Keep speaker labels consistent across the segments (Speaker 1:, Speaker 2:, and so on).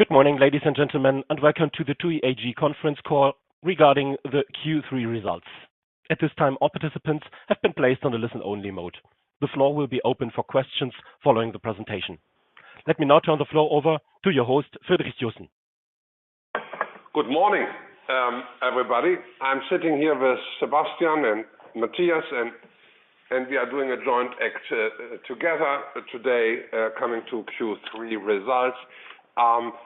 Speaker 1: Good morning, ladies and gentlemen, and welcome to the TUI AG Conference Call regarding the Q3 results. At this time, all participants have been placed on a listen-only mode. The floor will be open for questions following the presentation. Let me now turn the floor over to your host, Friedrich Joussen.
Speaker 2: Good morning, everybody. I'm sitting here with Sebastian and Mathias, and we are doing a joint act together today, coming to Q3 results.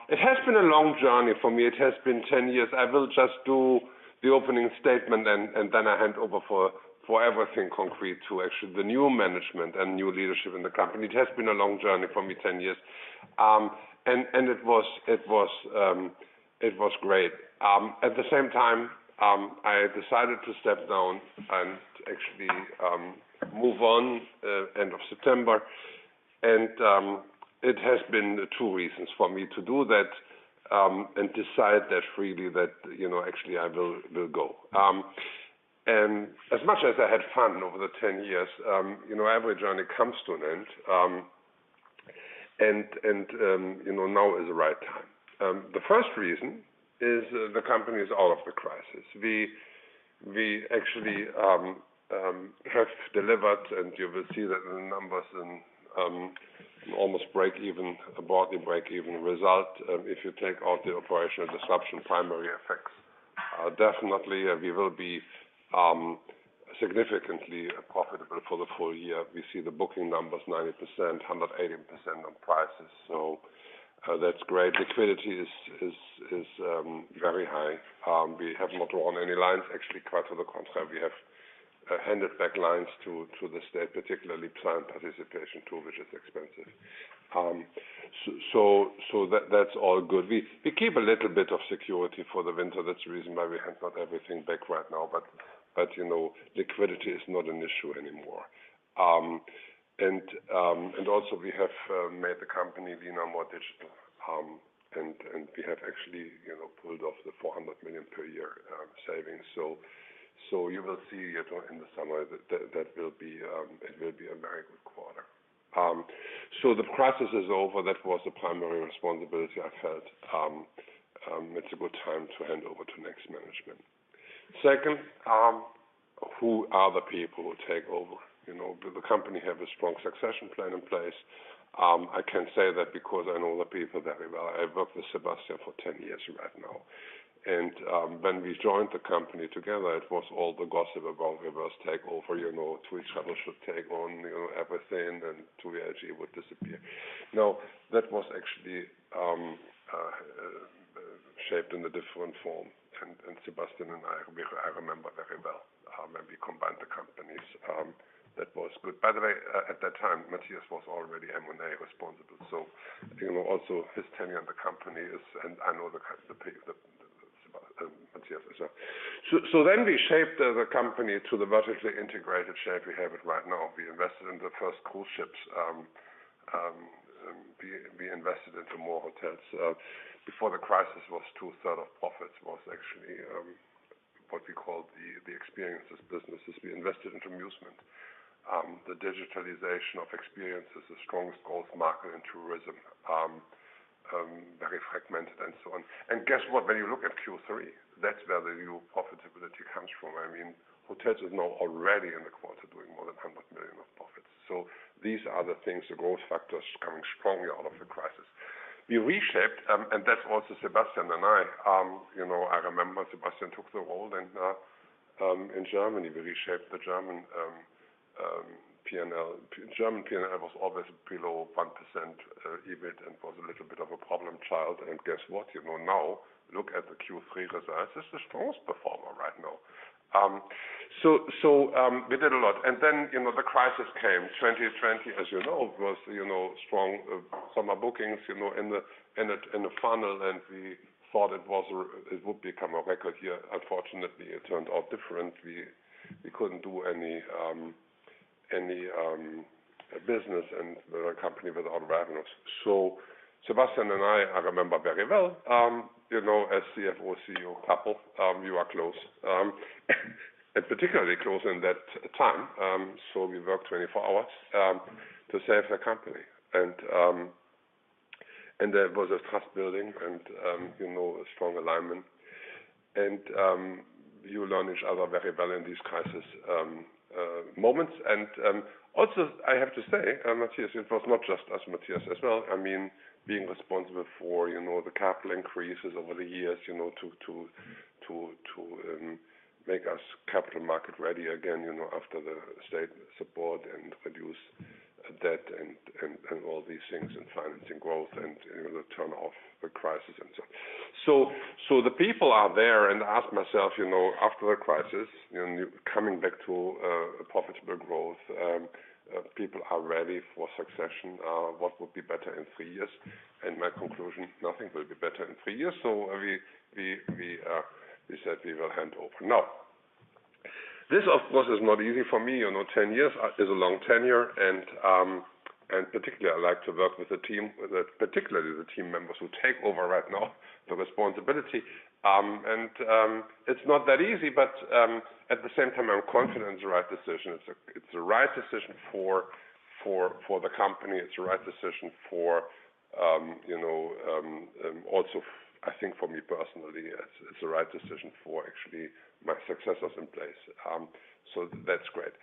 Speaker 2: It has been a long journey for me. It has been 10 years. I will just do the opening statement and then I hand over for everything concrete to actually the new management and new leadership in the company. It has been a long journey for me, 10 years. It was great. At the same time, I decided to step down and actually move on end of September. It has been two reasons for me to do that and decide that really, you know, actually I will go. As much as I had fun over the 10 years, you know, every journey comes to an end. You know, now is the right time. The first reason is the company is out of the crisis. We actually have delivered, and you will see that the numbers in almost break even, broadly break-even result, if you take out the operational disruption primary effects. Definitely we will be significantly profitable for the full year. We see the booking numbers 90%, 180% on prices. That's great. Liquidity is very high. We have not drawn any lines actually quite to the contrary. We have handed back lines to the state, particularly Silent Participation II, which is expensive. That's all good. We keep a little bit of security for the winter. That's the reason why we have not everything back right now, you know, liquidity is not an issue anymore. Also we have made the company, you know, more digital. We have actually, you know, pulled off the 400 million per year savings. You will see in the summary that it will be a very good quarter. The crisis is over. That was the primary responsibility I've had. It's a good time to hand over to next management. Second, who are the people who take over? You know, do the company have a strong succession plan in place? I can say that because I know the people very well. I worked with Sebastian for 10 years right now. When we joined the company together, it was all the gossip about we must take over, you know, TUI Travel should take on, you know, everything, and TUI AG would disappear. Now, that was actually shaped in a different form. Sebastian and I remember very well, when we combined the companies, that was good. By the way, at that time, Mathias was already M&A responsible. You know, also his tenure in the company is and I know the Mathias as well. Then we shaped the company to the vertically integrated shape we have it right now. We invested in the first cruise ships. We invested into more hotels. Before the crisis, two-thirds of profits was actually what we call the experiences businesses. We invested into Musement. The digitalization of experiences, the strongest growth market in tourism, very fragmented and so on. Guess what? When you look at Q3, that's where the new profitability comes from. I mean, hotels is now already in the quarter doing more than 100 million of profits. These are the things, the growth factors coming strongly out of the crisis. We reshaped, and that's also Sebastian and I. You know, I remember Sebastian took the role then in Germany. We reshaped the German P&L. German P&L was always below 1% EBIT and was a little bit of a problem child. Guess what? You know, now look at the Q3 results. This is the strongest performer right now. We did a lot. Then, you know, the crisis came. 2020, as you know, was strong summer bookings, you know, in the funnel. We thought it would become a record year. Unfortunately, it turned out differently. We couldn't do any business, and the company without revenues. Sebastian and I remember very well, you know, as CFO, CEO couple, you are close. Particularly close in that time. We worked 24 hours to save the company. There was a trust building and, you know, a strong alignment. You learn each other very well in these crisis moments. Also I have to say, Mathias, it was not just us, Mathias as well. I mean, being responsible for, you know, the capital increases over the years, you know, to make us capital market ready again, you know, after the state support and reduce debt and all these things and financing growth and, you know, the turn of the crisis and so on. The people are there and ask myself, you know, after the crisis, you know, coming back to profitable growth, people are ready for succession. What would be better in three years? My conclusion, nothing will be better in three years. We said we will hand over now. This, of course, is not easy for me. You know, 10 years is a long tenure and particularly I like to work with the team, particularly the team members who take over right now the responsibility. It's not that easy, but at the same time, I'm confident it's the right decision. It's the right decision for the company, it's the right decision for you know, also I think for me personally, it's the right decision for actually my successors in place. That's great.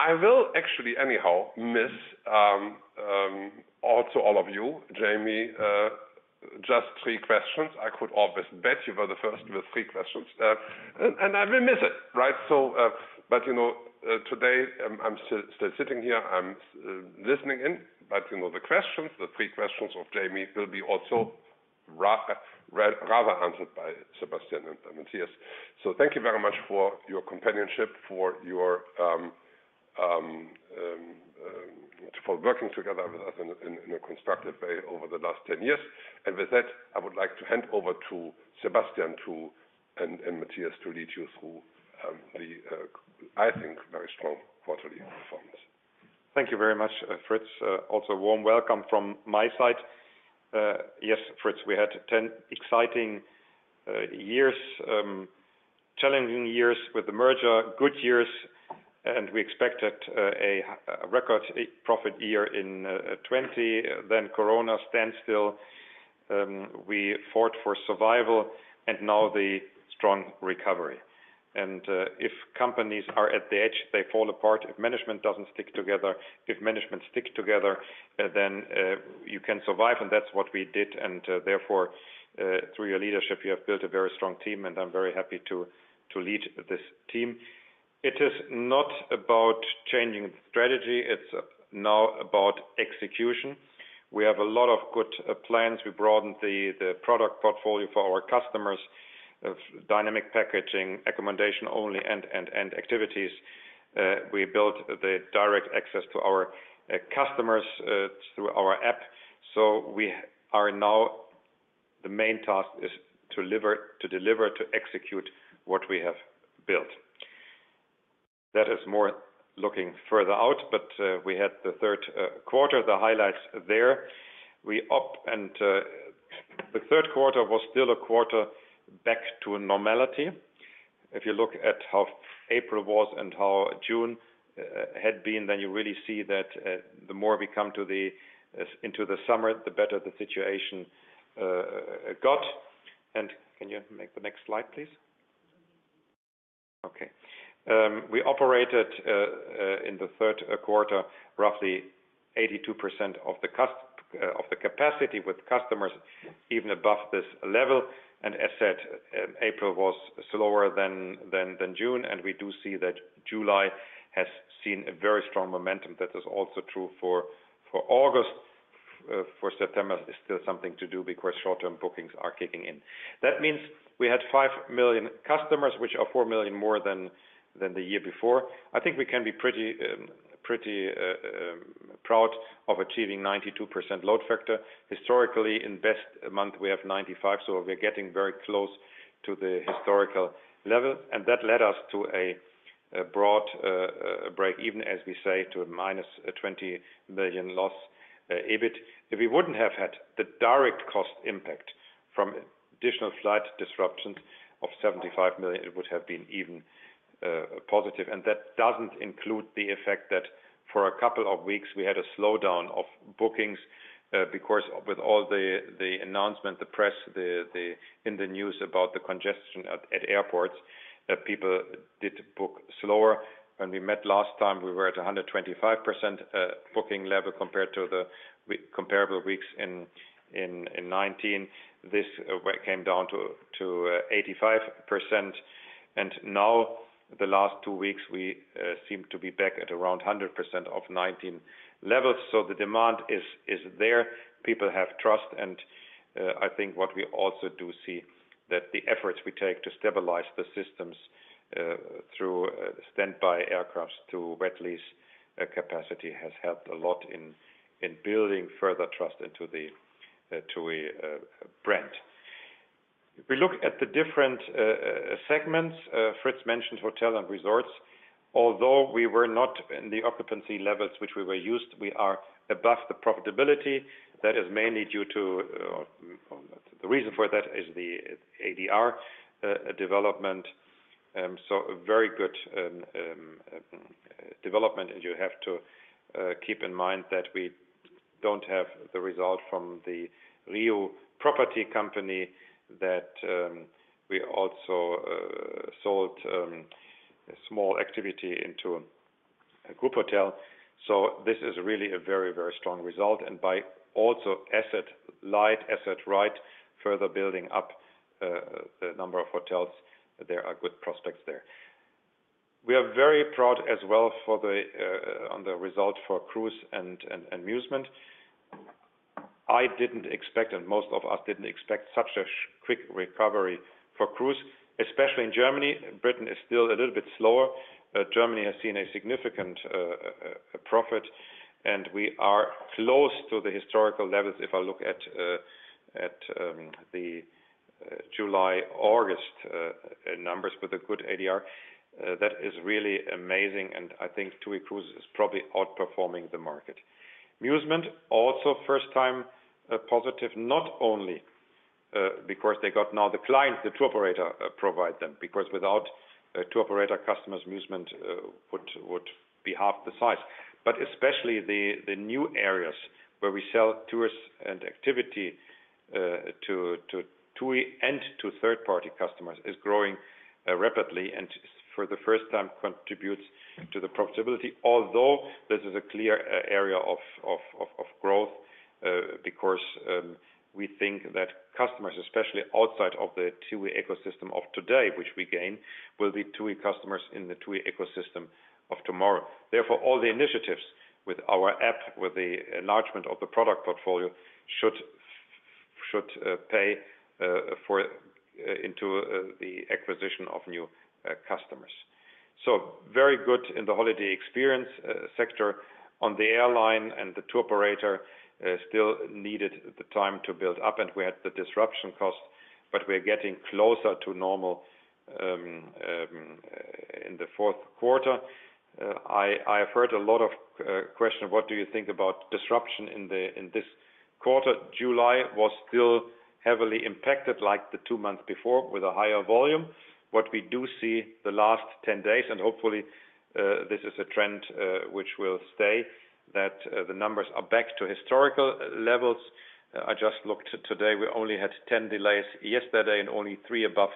Speaker 2: I will actually anyhow miss also all of you, Jamie, just three questions. I could always bet you were the first with three questions. I will miss it, right? You know, today I'm still sitting here, I'm listening in, but you know, the three questions of Jamie will be also rather answered by Sebastian and Mathias. Thank you very much for your companionship, for working together with us in a constructive way over the last 10 years. With that, I would like to hand over to Sebastian and Mathias to lead you through the, I think, very strong quarterly performance.
Speaker 3: Thank you very much, Fritz. Also warm welcome from my side. Yes, Fritz, we had 10 exciting years, challenging years with the merger, good years, and we expected a record profit year in 2020, then corona standstill. We fought for survival and now the strong recovery. If companies are at the edge, they fall apart. If management doesn't stick together, if management stick together, then you can survive, and that's what we did. Therefore, through your leadership, you have built a very strong team, and I'm very happy to lead this team. It is not about changing strategy, it's now about execution. We have a lot of good plans. We broadened the product portfolio for our customers of dynamic packaging, accommodation only, and activities. We built the direct access to our customers through our app. We are now. The main task is to deliver, to execute what we have built. That is more looking further out, but we had the third quarter, the highlights there. We up and the third quarter was still a quarter back to normality. If you look at how April was and how June had been, then you really see that the more we come into the summer, the better the situation got. Can you make the next slide, please? Okay. We operated in the third quarter roughly 82% of the capacity with customers even above this level. As said, April was slower than June, and we do see that July has seen a very strong momentum. That is also true for August. For September, there's still something to do because short-term bookings are kicking in. That means we had five million customers, which are four million more than the year before. I think we can be pretty proud of achieving 92% load factor. Historically, in best month, we have 95, so we're getting very close to the historical level. That led us to a broad break even as we say, to a minus 20 million loss, EBIT. If we wouldn't have had the direct cost impact from additional flight disruptions of 75 million, it would have been even positive. That doesn't include the effect that for a couple of weeks we had a slowdown of bookings, because with all the announcement, the press, the in the news about the congestion at airports, people did book slower. When we met last time, we were at 125% booking level compared to the comparable weeks in 2019. This came down to 85%. Now the last two weeks, we seem to be back at around 100% of 2019 levels. The demand is there. People have trust, and I think what we also do see that the efforts we take to stabilize the systems through standby aircraft to wet lease capacity has helped a lot in building further trust into the TUI brand. If we look at the different segments, Fritz mentioned hotel and resorts. Although we were not in the occupancy levels which we were used, we are above the profitability. That is mainly due to the ADR development. A very good development, and you have to keep in mind that we don't have the result from the Riu property company that we also sold a small activity into a group hotel. This is really a very, very strong result. By also asset light, asset right, further building up the number of hotels, there are good prospects there. We are very proud as well of the result for cruise and Musement. I didn't expect, and most of us didn't expect such a quick recovery for cruise, especially in Germany. Britain is still a little bit slower. Germany has seen a significant profit, and we are close to the historical levels. If I look at the July, August numbers with a good ADR, that is really amazing, and I think TUI Cruises is probably outperforming the market. Musement also first time positive, not only because they got now the clients, the tour operator provide them, because without a tour operator, customers Musement would be half the size. But especially the new areas where we sell tours and activity to TUI and to third party customers is growing rapidly. For the first time contributes to the profitability. Although this is a clear area of growth because we think that customers, especially outside of the TUI ecosystem of today, which we gain, will be TUI customers in the TUI ecosystem of tomorrow. Therefore, all the initiatives with our app, with the enlargement of the product portfolio should pay into the acquisition of new customers. Very good in the holiday experience sector. On the airline and the tour operator still needed the time to build up, and we had the disruption costs, but we're getting closer to normal in the fourth quarter. I've heard a lot of question, what do you think about disruption in this quarter? July was still heavily impacted like the two months before with a higher volume. What we do see the last 10 days, and hopefully, this is a trend, which will stay, that, the numbers are back to historical levels. I just looked today, we only had 10 delays yesterday and only three above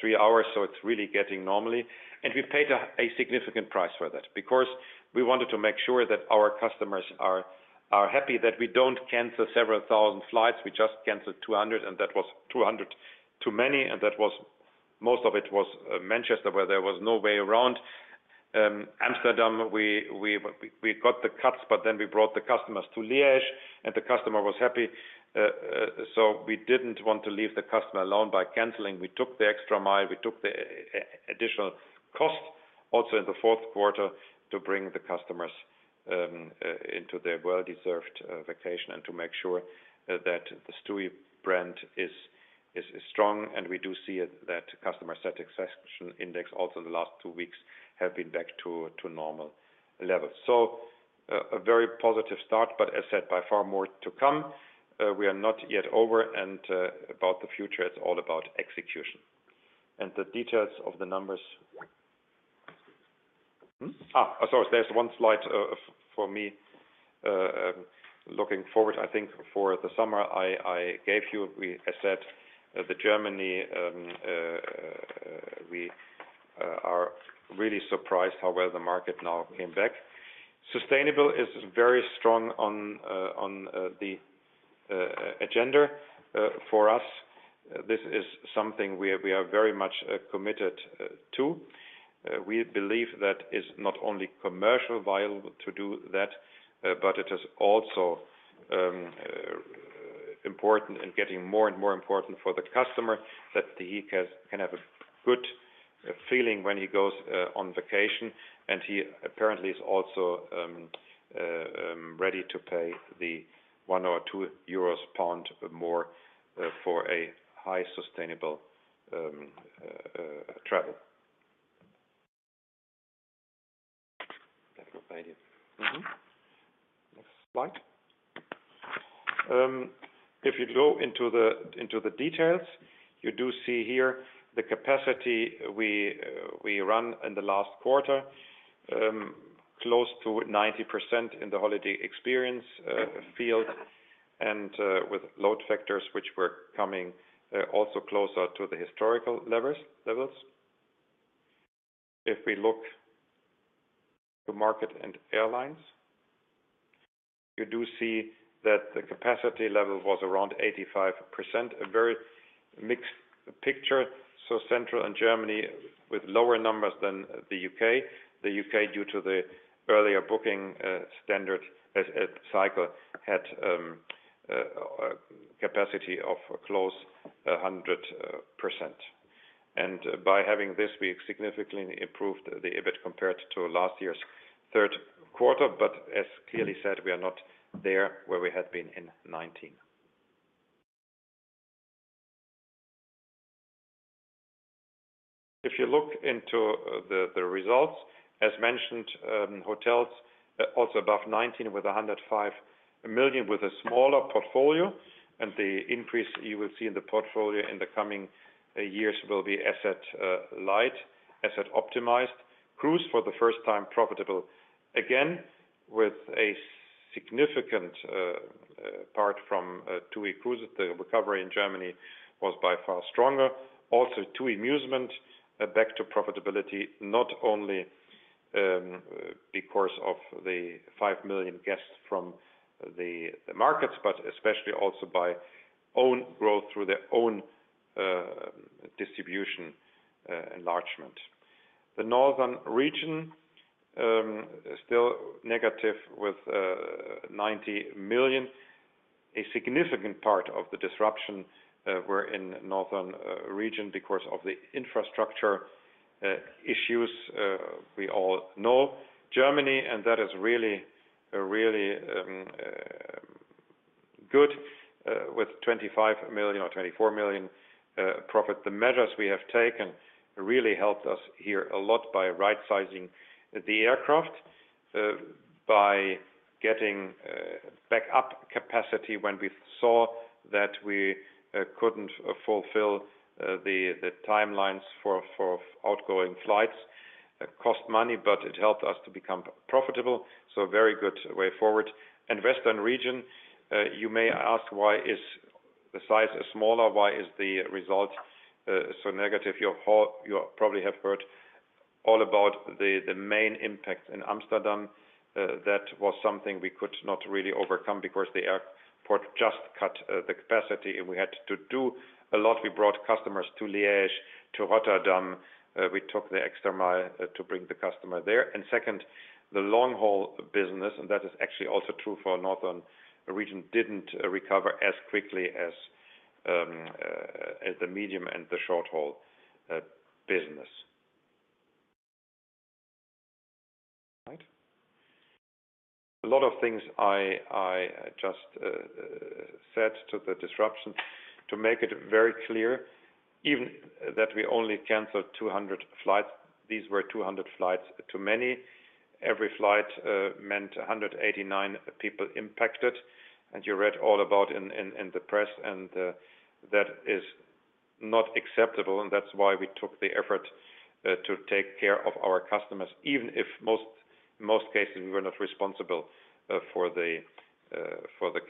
Speaker 3: three hours. It's really getting normal. We paid a significant price for that because we wanted to make sure that our customers are happy that we don't cancel several thousand flights. We just canceled 200, and that was 200 too many. Most of it was Manchester, where there was no way around. Amsterdam, we got the cuts, but then we brought the customers to Liège, and the customer was happy. We didn't want to leave the customer alone by canceling. We went the extra mile. We took the additional cost also in the fourth quarter to bring the customers into their well-deserved vacation and to make sure that the TUI brand is strong. We do see that customer satisfaction index also in the last two weeks have been back to normal levels. A very positive start, but as said, by far more to come. We are not yet over and about the future, it's all about execution. The details of the numbers. Sorry. There's one slide for me looking forward. I think for the summer I gave you. I said that in Germany we are really surprised how well the market now came back. Sustainable is very strong on the agenda for us. This is something we are very much committed to. We believe that is not only commercially viable to do that, but it is also important and getting more and more important for the customer that he can have a good feeling when he goes on vacation. He apparently is also ready to pay the one or two euros/pound more for a highly sustainable travel. Next slide. If you go into the details, you do see here the capacity we run in the last quarter close to 90% in the holiday experience field and with load factors which were coming also closer to the historical levels. If we look to market and airlines, you do see that the capacity level was around 85%, a very mixed picture. Central and Germany with lower numbers than the U.K.. The U.K., due to the earlier booking standard as a cycle, had capacity of close to 100%. By having this, we significantly improved the EBIT compared to last year's third quarter. As clearly said, we are not there where we had been in 2019. If you look into the results, as mentioned, hotels also above 2019 with 105 million with a smaller portfolio. The increase you will see in the portfolio in the coming years will be asset light, asset optimized. Cruise for the first time profitable again, with a significant part from TUI Cruises. The recovery in Germany was by far stronger. Also, TUI Musement back to profitability, not only because of the five million guests from the markets, but especially also by own growth through their own distribution enlargement. The northern region still negative with 90 million. A significant part of the disruption were in northern region because of the infrastructure issues we all know. Germany, and that is really good with 25 million or 24 million profit. The measures we have taken really helped us here a lot by right sizing the aircraft by getting back up capacity when we saw that we couldn't fulfill the timelines for outgoing flights. It cost money, but it helped us to become profitable. Very good way forward. In Western region, you may ask why the size is smaller? Why is the result so negative? You've probably heard all about the main impact in Amsterdam. That was something we could not really overcome because the airport just cut the capacity, and we had to do a lot. We brought customers to Liège, to Rotterdam. We took the extra mile to bring the customer there. Second, the long-haul business, and that is actually also true for Northern region, didn't recover as quickly as the medium and the short-haul business. Right. A lot of things I just relate to the disruption to make it very clear, even that we only canceled 200 flights. These were 200 flights too many. Every flight meant 189 people impacted, and you read all about in the press, and that is not acceptable, and that's why we took the effort to take care of our customers, even if most cases we were not responsible for the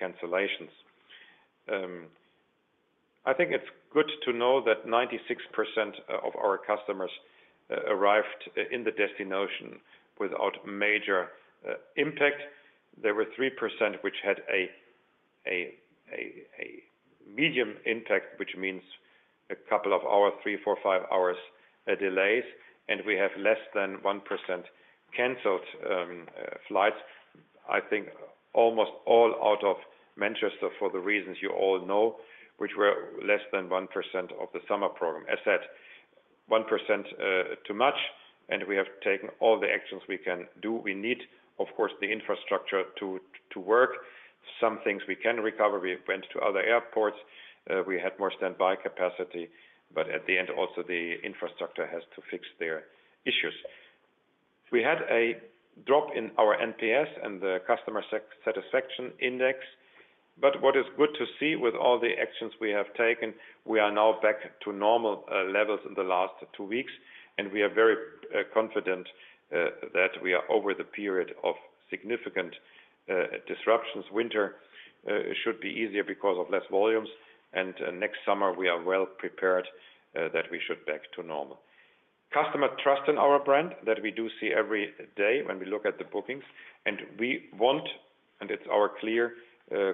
Speaker 3: cancellations. I think it's good to know that 96% of our customers arrived in the destination without major impact. There were 3% which had a medium impact, which means a couple of hour, three, four, five hours delays, and we have less than 1% canceled flights. I think almost all out of Manchester for the reasons you all know, which were less than 1% of the summer program. As said, 1% too much, and we have taken all the actions we can do. We need, of course, the infrastructure to work. Some things we can recover. We went to other airports. We had more standby capacity, but at the end also the infrastructure has to fix their issues. We had a drop in our NPS and the customer satisfaction index. What is good to see with all the actions we have taken, we are now back to normal levels in the last two weeks, and we are very confident that we are over the period of significant disruptions. Winter should be easier because of less volumes, and next summer we are well prepared that we should back to normal. Customer trust in our brand that we do see every day when we look at the bookings. We want, and it's our clear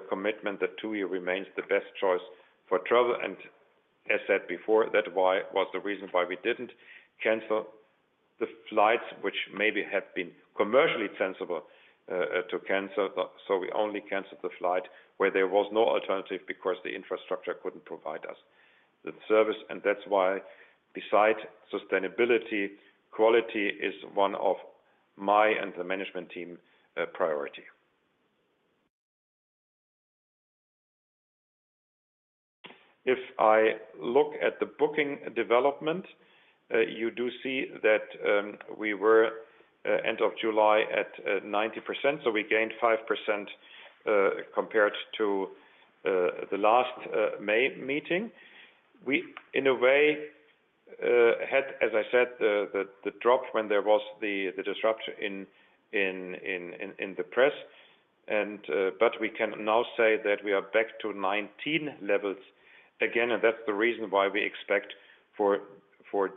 Speaker 3: commitment that TUI remains the best choice for travel. As said before, that's why was the reason why we didn't cancel the flights, which maybe had been commercially sensible to cancel. We only canceled the flight where there was no alternative because the infrastructure couldn't provide us the service, and that's why besides sustainability, quality is one of my and the management team priority. If I look at the booking development, you do see that, we were end of July at 90%, so we gained 5% compared to the last May meeting. We, in a way, had, as I said, the drop when there was the disruption in the press. We can now say that we are back to 2019 levels again, and that's the reason why we expect for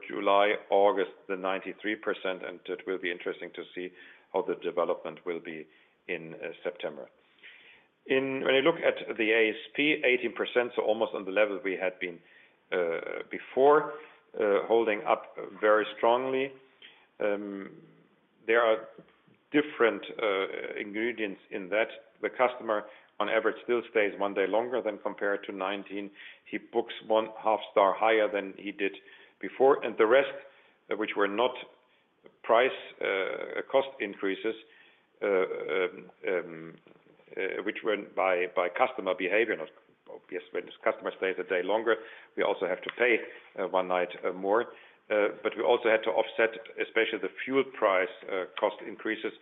Speaker 3: July, August the 93%, and it will be interesting to see how the development will be in September. When you look at the ASP 18%, so almost on the level we had been before holding up very strongly. There are different ingredients in that. The customer on average still stays one day longer than compared to 2019. He books one half star higher than he did before. The rest, which were not price cost increases, which went by customer behavior, not obvious. When customer stays a day longer, we also have to pay one night more. We also had to offset, especially the fuel price, cost increases.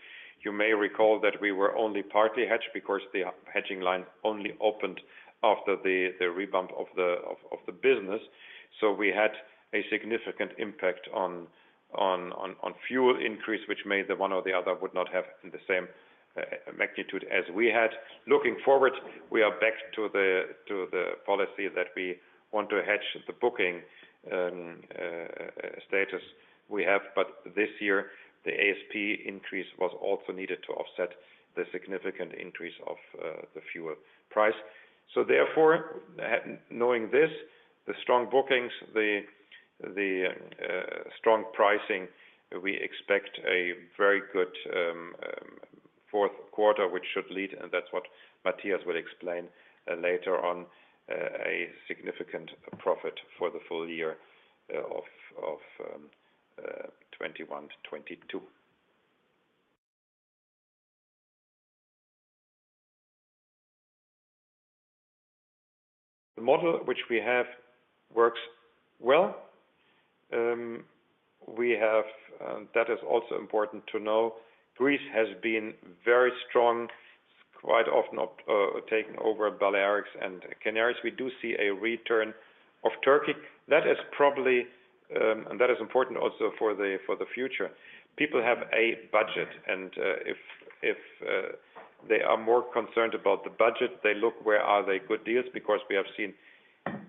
Speaker 3: You may recall that we were only partly hedged because the hedging line only opened after the rebound of the business. We had a significant impact on fuel increase, which made the one or the other would not have the same magnitude as we had. Looking forward, we are back to the policy that we want to hedge the booking status we have. This year, the ASP increase was also needed to offset the significant increase of the fuel price. Knowing this, the strong bookings, the strong pricing, we expect a very good fourth quarter, which should lead, and that's what Mathias will explain later on, a significant profit for the full year of 2021-2022. The model which we have works well. We have that is also important to know. Greece has been very strong, quite often up taking over Balearics and Canaries. We do see a return of Turkey. That is probably and that is important also for the future. People have a budget and if they are more concerned about the budget, they look where are the good deals, because we have seen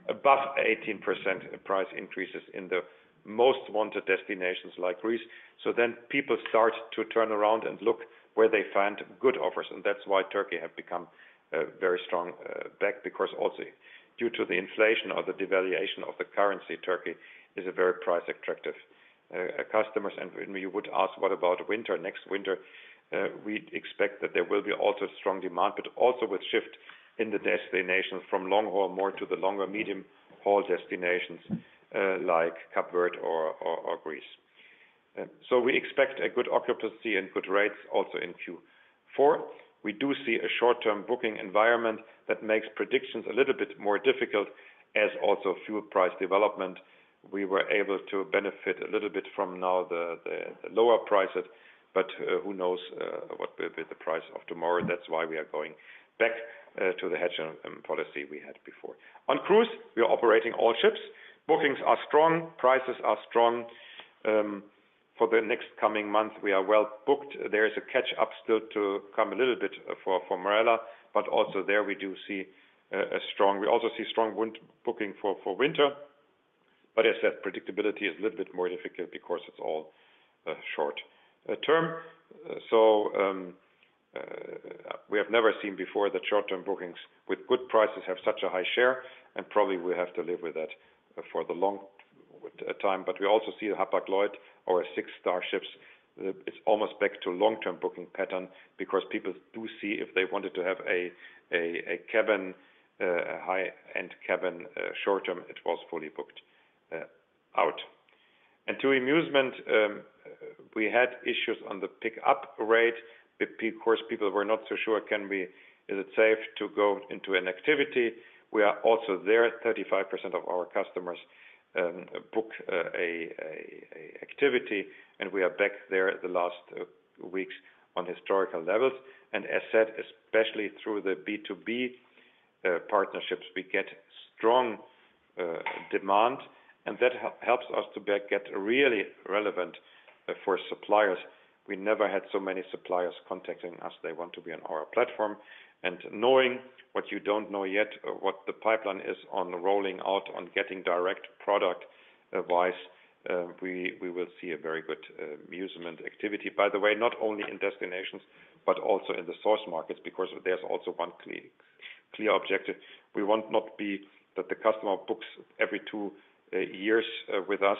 Speaker 3: above 18% price increases in the most wanted destinations like Greece. People start to turn around and look where they find good offers, and that's why Turkey have become very strong back because also due to the inflation or the devaluation of the currency, Turkey is a very price attractive customers. When you would ask, what about winter, next winter, we expect that there will be also strong demand, but also with shift in the destinations from long-haul more to the longer medium-haul destinations, like Cape Verde or Greece. We expect a good occupancy and good rates also in Q4. We do see a short-term booking environment that makes predictions a little bit more difficult as also fuel price development. We were able to benefit a little bit from now the lower prices, but who knows what will be the price of tomorrow. That's why we are going back to the hedging policy we had before. On cruise, we are operating all ships. Bookings are strong. Prices are strong. For the next coming month, we are well-booked. There is a catch-up still to come a little bit for Marella, but also there we do see a strong winter booking for winter. But as said, predictability is a little bit more difficult because it's all short-term. We have never seen before the short-term bookings with good prices have such a high share, and probably we have to live with that for the long time. We also see Hapag-Lloyd, our six-star ships. It's almost back to long-term booking pattern because people do see if they wanted to have a cabin, a high-end cabin short-term. It was fully booked out. To Musement, we had issues on the pick-up rate because people were not so sure is it safe to go into an activity. We are also there. 35% of our customers book an activity, and we are back there the last weeks on historical levels. As said, especially through the B2B partnerships, we get strong demand, and that helps us to get really relevant for suppliers. We never had so many suppliers contacting us. They want to be on our platform. Knowing what you don't know yet, what the pipeline is on rolling out, on getting direct product-wise, we will see a very good Musement activity. By the way, not only in destinations, but also in the source markets, because there's also one clear objective. We want not be that the customer books every two years with us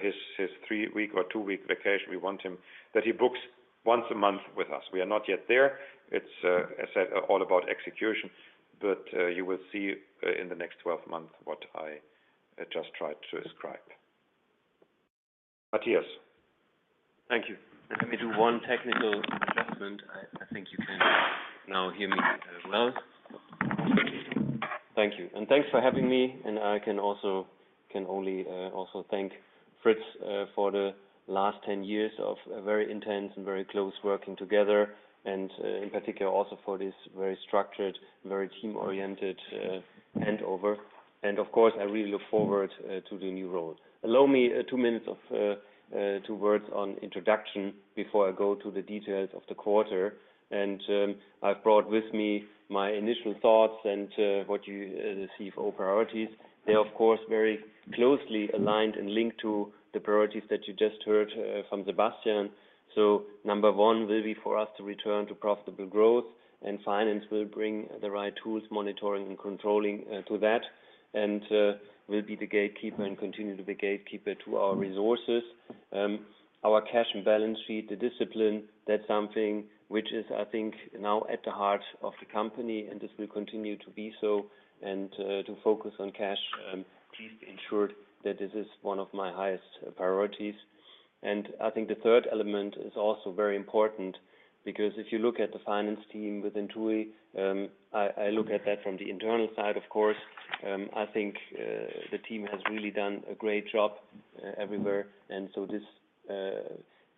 Speaker 3: his three-week or two-week vacation. We want him that he books once a month with us. We are not yet there. It's as said, all about execution, but you will see in the next twelve months what I just tried to describe. Mathias.
Speaker 4: Thank you. Let me do one technical adjustment. I think you can now hear me as well. Thank you. Thanks for having me. I can also thank Fritz for the last 10 years of very intense and very close working together, and in particular also for this very structured, very team-oriented handover. Of course, I really look forward to the new role. Allow me two minutes or two words on introduction before I go to the details of the quarter. I've brought with me my initial thoughts and what you see for priorities. They are, of course, very closely aligned and linked to the priorities that you just heard from Sebastian. Number one will be for us to return to profitable growth, and finance will bring the right tools, monitoring, and controlling to that. We'll be the gatekeeper and continue to be gatekeeper to our resources. Our cash and balance sheet, the discipline, that's something which is, I think, now at the heart of the company, and this will continue to be so. To focus on cash, please ensure that this is one of my highest priorities. I think the third element is also very important because if you look at the finance team within TUI, I look at that from the internal side, of course. I think the team has really done a great job everywhere. This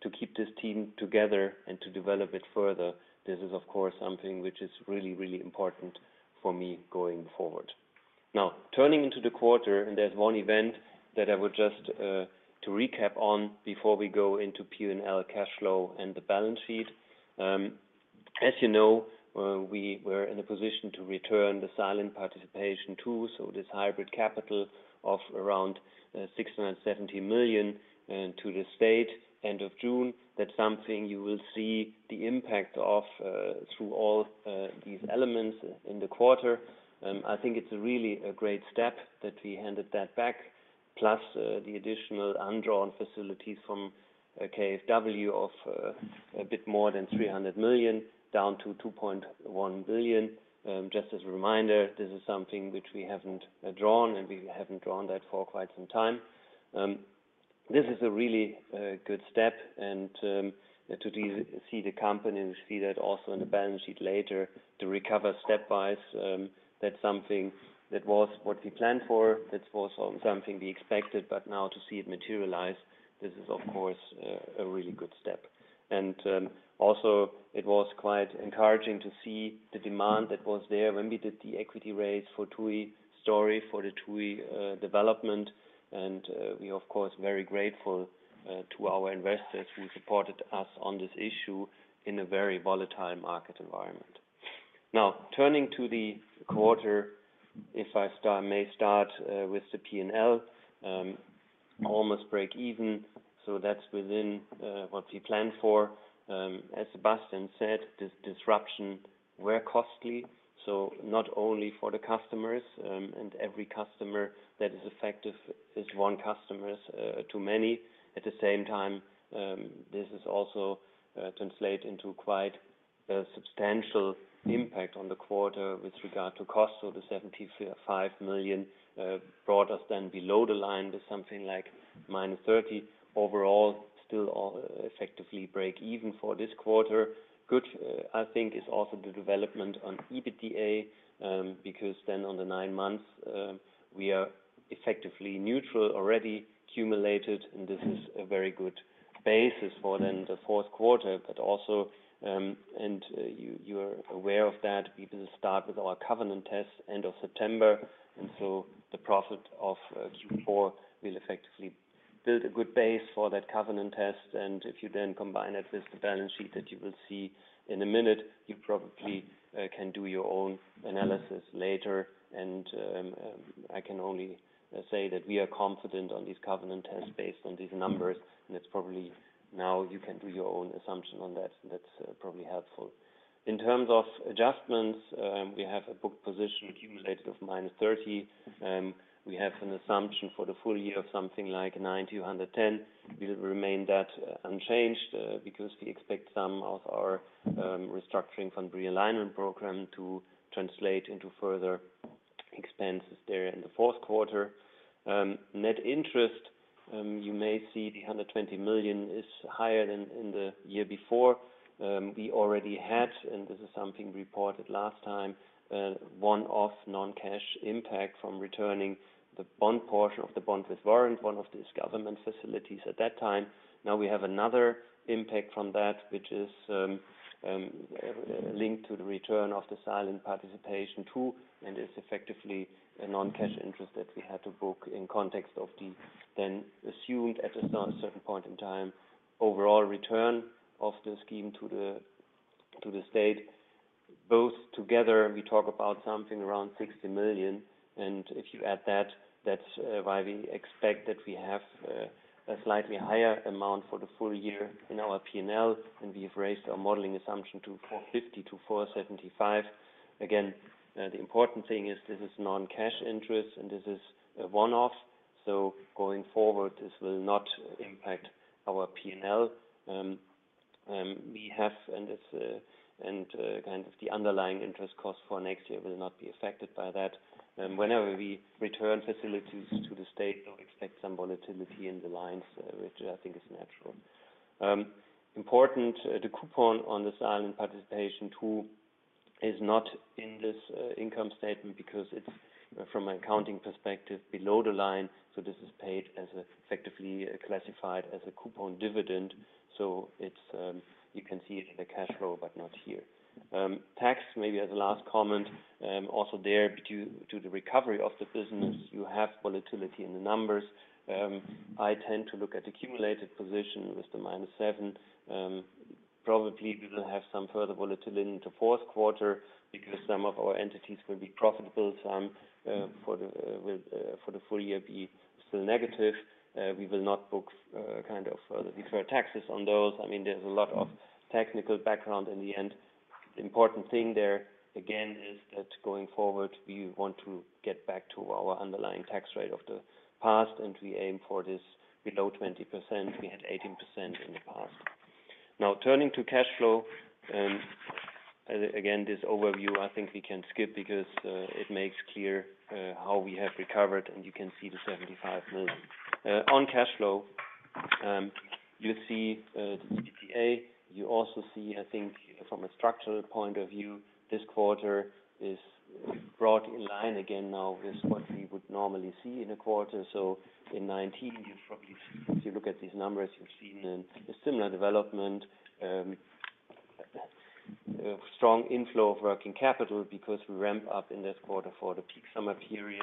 Speaker 4: to keep this team together and to develop it further, this is of course something which is really important for me going forward. Now, turning to the quarter, there's one event that I would just to recap on before we go into P&L cash flow and the balance sheet. As you know, we were in a position to return the Silent Participation II, so this hybrid capital of around 670 million to the state end of June. That's something you will see the impact of through all these elements in the quarter. I think it's really a great step that we handed that back, plus the additional undrawn facilities from KfW of a bit more than 300 million, down to 2.1 billion. Just as a reminder, this is something which we haven't drawn that for quite some time. This is a really good step and to see the company and see that also in the balance sheet later to recover step-wise, that's something that was what we planned for. That's also something we expected, but now to see it materialize, this is of course a really good step. Also it was quite encouraging to see the demand that was there when we did the equity raise for TUI story, for the TUI development. We of course very grateful to our investors who supported us on this issue in a very volatile market environment. Now, turning to the quarter, if I may start with the P&L, almost break even, so that's within what we planned for. As Sebastian said, this disruption were costly, so not only for the customers, and every customer that is affected is one customer too many. At the same time, this is also translate into quite a substantial impact on the quarter with regard to cost of the 75 million, brought us then below the line to something like minus 30 million. Overall, still all effectively break even for this quarter. Good, I think is also the development on EBITDA, because then on the nine months, we are effectively neutral already accumulated, and this is a very good basis for then the fourth quarter. You're aware that we will start with our covenant test end of September, and so the profit of Q4 will effectively build a good base for that covenant test. If you then combine it with the balance sheet that you will see in a minute, you probably can do your own analysis later. I can only say that we are confident on these covenant tests based on these numbers, and it's probably now you can do your own assumption on that, and that's probably helpful. In terms of adjustments, we have a book position accumulated of -30. We have an assumption for the full year of something like 90 or 110. We will remain that unchanged, because we expect some of our restructuring from realignment program to translate into further expenses there in the fourth quarter. Net interest, you may see the 120 million is higher than in the year before. We already had, and this is something reported last time, one-off non-cash impact from returning the bond portion of the bond with warrant, one of these government facilities at that time. Now we have another impact from that, which is linked to the return of the Silent Participation II, and is effectively a non-cash interest that we had to book in context of the then assumed at a certain point in time, overall return of the scheme to the state. Both together, we talk about something around 60 million, and if you add that's why we expect that we have a slightly higher amount for the full year in our P&L, and we have raised our modeling assumption to 450 million-475 million. Again, the important thing is this is non-cash interest, and this is a one-off. Going forward, this will not impact our P&L. We have and this, and kind of the underlying interest cost for next year will not be affected by that. Whenever we return facilities to the state or expect some volatility in the lines, which I think is natural. Important, the coupon on the Silent Participation II is not in this income statement because it's, from an accounting perspective, below the line. This is paid as effectively classified as a coupon dividend. It's you can see it in the cash flow, but not here. Tax maybe as a last comment. Also there due to the recovery of the business, you have volatility in the numbers. I tend to look at the cumulative position with the minus seven. Probably we will have some further volatility into fourth quarter because some of our entities will be profitable, some for the full year will be still negative. We will not book kind of the deferred taxes on those. I mean, there's a lot of technical background in the end. The important thing there, again, is that going forward, we want to get back to our underlying tax rate of the past, and we aim for this below 20%. We had 18% in the past. Now, turning to cash flow, again, this overview I think we can skip because it makes clear how we have recovered, and you can see the 75 million. On cash flow, you see the EBITDA. You also see, I think from a structural point of view, this quarter is brought in line again now with what we would normally see in a quarter. In 2019, you probably, if you look at these numbers, you've seen a similar development, strong inflow of working capital because we ramp up in this quarter for the peak summer period.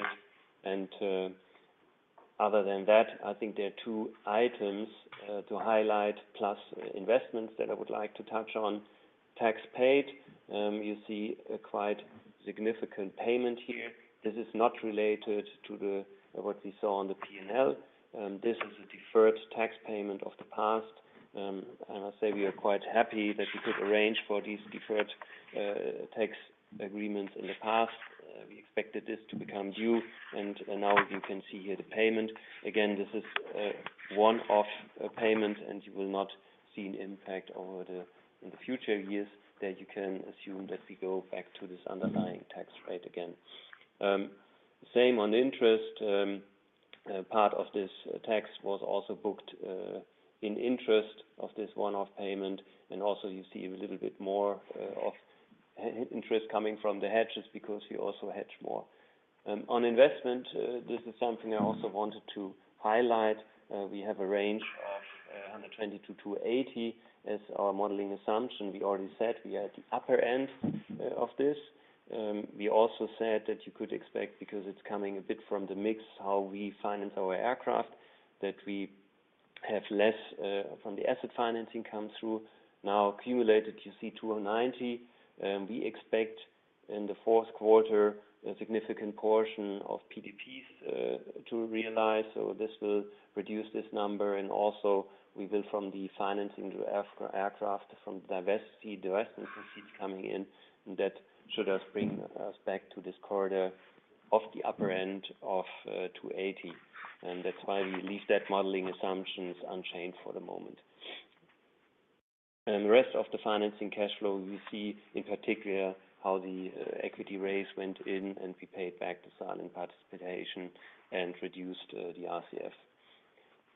Speaker 4: Other than that, I think there are two items to highlight, plus investments that I would like to touch on. Tax paid, you see a quite significant payment here. This is not related to what we saw on the P&L. This is a deferred tax payment of the past. I must say we are quite happy that we could arrange for these deferred tax agreements in the past. We expected this to become due and now you can see here the payment. Again, this is one-off payment, and you will not see an impact in the future years that you can assume that we go back to this underlying tax rate again. Same on interest, part of this tax was also booked in interest of this one-off payment. Also you see a little bit more of interest coming from the hedges because you also hedge more. On investment, this is something I also wanted to highlight. We have a range of 120-280 as our modeling assumption. We already said we are at the upper end of this. We also said that you could expect, because it's coming a bit from the mix, how we finance our aircraft, that we have less from the asset financing come through. Now accumulated, you see 290. We expect in the fourth quarter a significant portion of PDPs to realize, so this will reduce this number. Also we will from the financing through aircraft divestiture, the rest proceeds coming in, that should have bring us back to this quarter of the upper end of 280. That's why we leave that modeling assumptions unchanged for the moment. The rest of the financing cash flow, you see in particular how the equity raise went in, and we paid back the Silent Participation and reduced the RCF.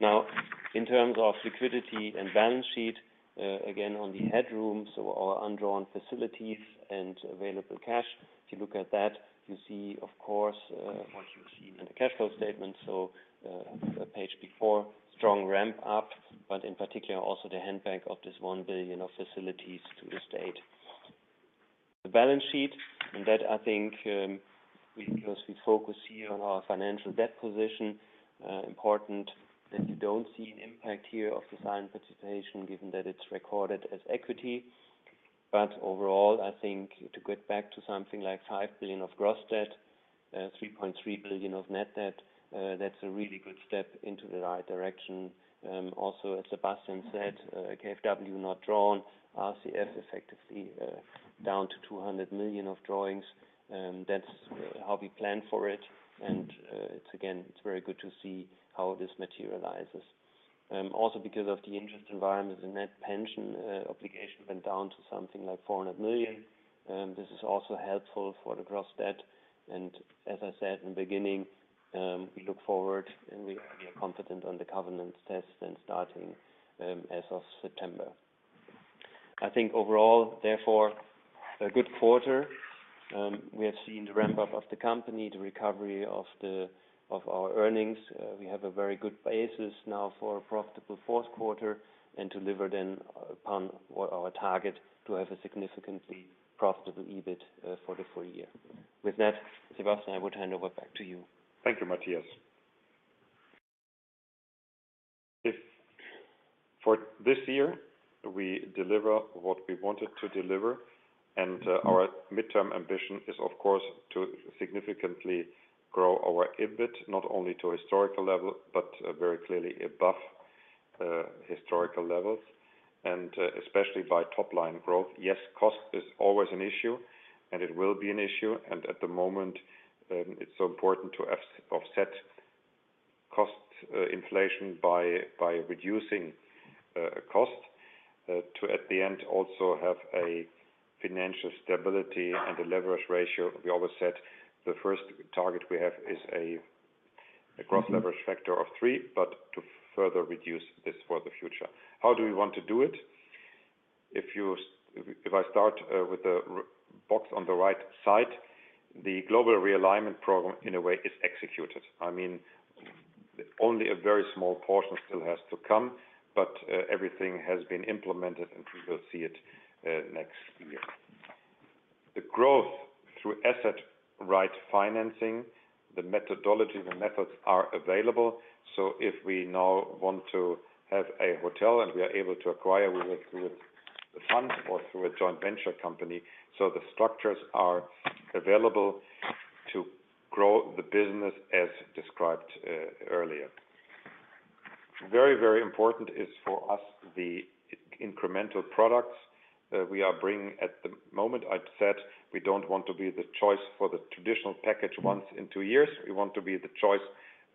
Speaker 4: Now, in terms of liquidity and balance sheet, again, on the headroom, so our undrawn facilities and available cash. If you look at that, you see, of course, what you see in the cash flow statement. The page before, strong ramp up, but in particular, also the hand back of this 1 billion of facilities to the state. The balance sheet. That I think, because we focus here on our financial debt position, important that you don't see an impact here of the Silent Participation, given that it's recorded as equity. Overall, I think to get back to something like 5 billion of gross debt, 3.3 billion of net debt, that's a really good step in the right direction. Also, as Sebastian said, KfW not drawn, RCF effectively down to 200 million of drawings. That's how we plan for it. It's again very good to see how this materializes. Also because of the interest environment, the net pension obligation went down to something like 400 million. This is also helpful for the gross debt. As I said in the beginning, we look forward, and we are confident on the covenant test and starting as of September. I think overall, therefore, a good quarter. We have seen the ramp up of the company, the recovery of our earnings. We have a very good basis now for a profitable fourth quarter and deliver then upon what our target to have a significantly profitable EBIT for the full year. With that, Sebastian, I would hand over back to you.
Speaker 3: Thank you, Mathias. If for this year we deliver what we wanted to deliver, and our midterm ambition is of course to significantly grow our EBIT, not only to a historical level, but very clearly above historical levels, and especially by top-line growth. Yes, cost is always an issue, and it will be an issue. At the moment, it's so important to offset cost inflation by reducing cost to at the end also have a financial stability and a leverage ratio. We always said the first target we have is a gross leverage factor of three, but to further reduce this for the future. How do we want to do it? If I start with the box on the right side, the Global Realignment Programme in a way is executed. I mean, only a very small portion still has to come, but everything has been implemented, and we will see it next year. The growth through asset right financing, the methodology, the methods are available. If we now want to have a hotel and we are able to acquire with the fund or through a joint venture company, the structures are available to grow the business as described earlier. Very, very important is for us the incremental products that we are bringing at the moment. I said, we don't want to be the choice for the traditional package once in two years. We want to be the choice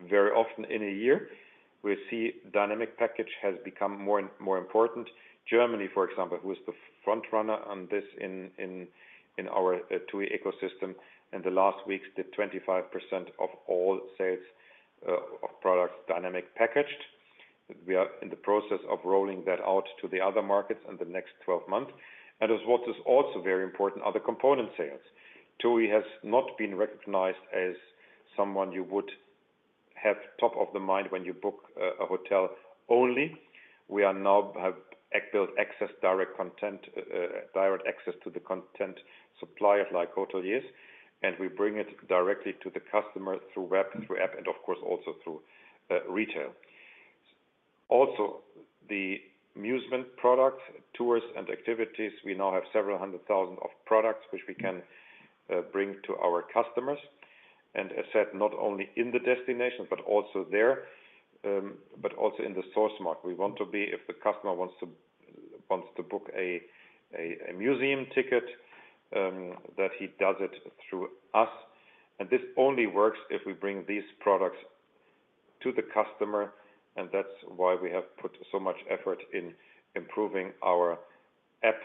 Speaker 3: very often in a year. We see dynamic packaging has become more and more important. Germany, for example, who is the front runner on this in our TUI ecosystem, in the last weeks did 25% of all sales of products dynamically packaged. We are in the process of rolling that out to the other markets in the next twelve months. What's also very important are the component sales. TUI has not been recognized as someone you would have top of the mind when you book a hotel only. We now have built direct access to content suppliers like hoteliers, and we bring it directly to the customer through web, through app, and of course also through retail. Also, the Musement product, tours, and activities, we now have several hundred thousand of products which we can bring to our customers. As said, not only in the destination, but also in the source market. We want to be, if the customer wants to book a museum ticket, that he does it through us. This only works if we bring these products to the customer, and that's why we have put so much effort in improving our app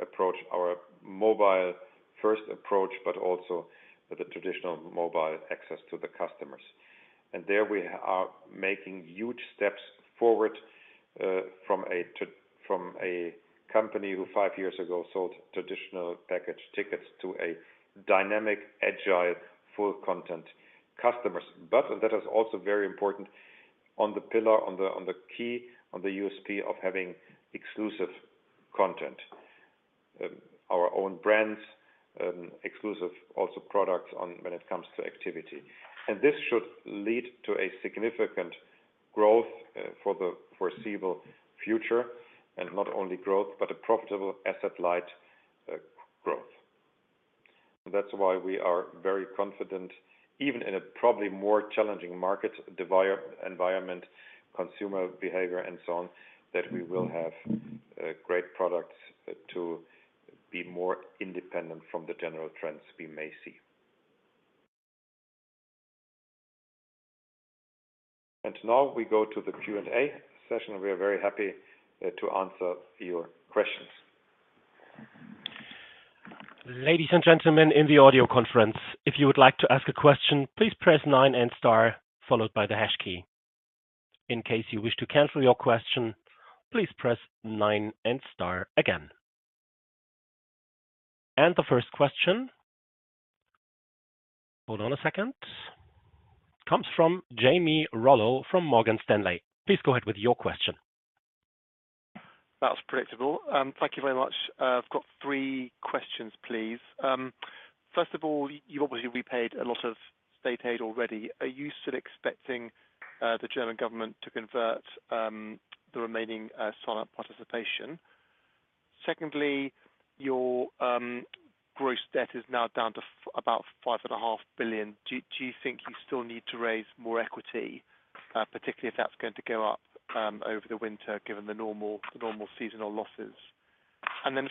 Speaker 3: approach, our mobile first approach, but also the traditional mobile access to the customers. There we are making huge steps forward, from a company who five years ago sold traditional package tickets to a dynamic, agile, full content customers. That is also very important on the key USP of having exclusive content. Our own brands, exclusive also products on when it comes to activity. This should lead to a significant growth for the foreseeable future, and not only growth but a profitable asset light growth. That's why we are very confident, even in a probably more challenging market environment, consumer behavior and so on, that we will have great products to be more independent from the general trends we may see. Now we go to the Q&A session. We are very happy to answer your questions.
Speaker 1: Ladies and gentlemen in the audio conference, if you would like to ask a question, please press nine and star followed by the hash key. In case you wish to cancel your question, please press nine and star again. The first question. Hold on a second. Comes from Jamie Rollo from Morgan Stanley. Please go ahead with your question.
Speaker 5: That's predictable. Thank you very much. I've got three questions, please. First of all, you've obviously repaid a lot of state aid already. Are you still expecting the German government to convert the remaining silent participation? Secondly, your gross debt is now down to about 5.5 billion. Do you think you still need to raise more equity, particularly if that's going to go up over the winter, given the normal seasonal losses?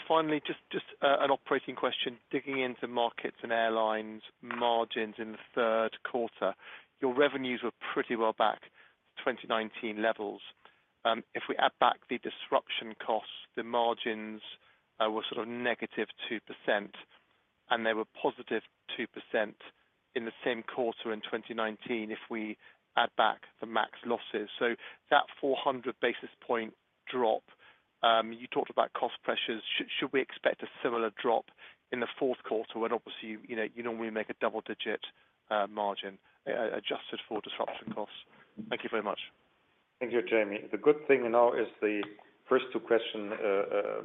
Speaker 5: Finally, just an operating question, digging into markets and airlines margins in the third quarter. Your revenues were pretty well back to 2019 levels. If we add back the disruption costs, the margins were sort of negative 2%, and they were positive 2% in the same quarter in 2019 if we add back the max losses. That 400 basis point drop, you talked about cost pressures. Should we expect a similar drop in the fourth quarter when obviously, you know, you normally make a double-digit margin adjusted for disruption costs? Thank you very much.
Speaker 3: Thank you, Jamie. The good thing now is the first two questions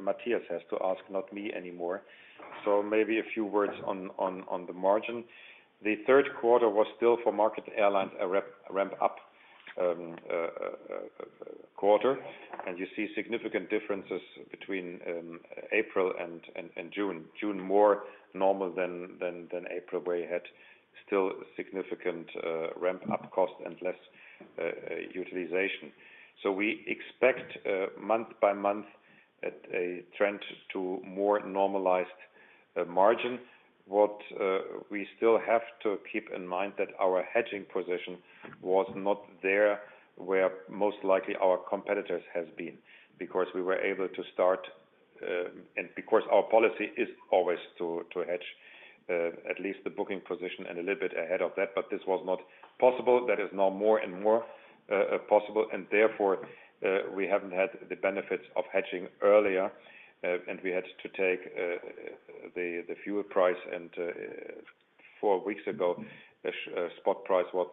Speaker 3: Mathias has to ask, not me anymore. Maybe a few words on the margin. The third quarter was still for market airlines, a re-ramp up quarter. You see significant differences between April and June. June more normal than April, where you had still significant ramp-up costs and less utilization. We expect month by month a trend to more normalized margin. We still have to keep in mind that our hedging position was not there, where most likely our competitors has been. Because we were able to start, and because our policy is always to hedge at least the booking position and a little bit ahead of that. This was not possible. That is now more and more possible, and therefore, we haven't had the benefits of hedging earlier, and we had to take the fuel price. Four weeks ago, the spot price was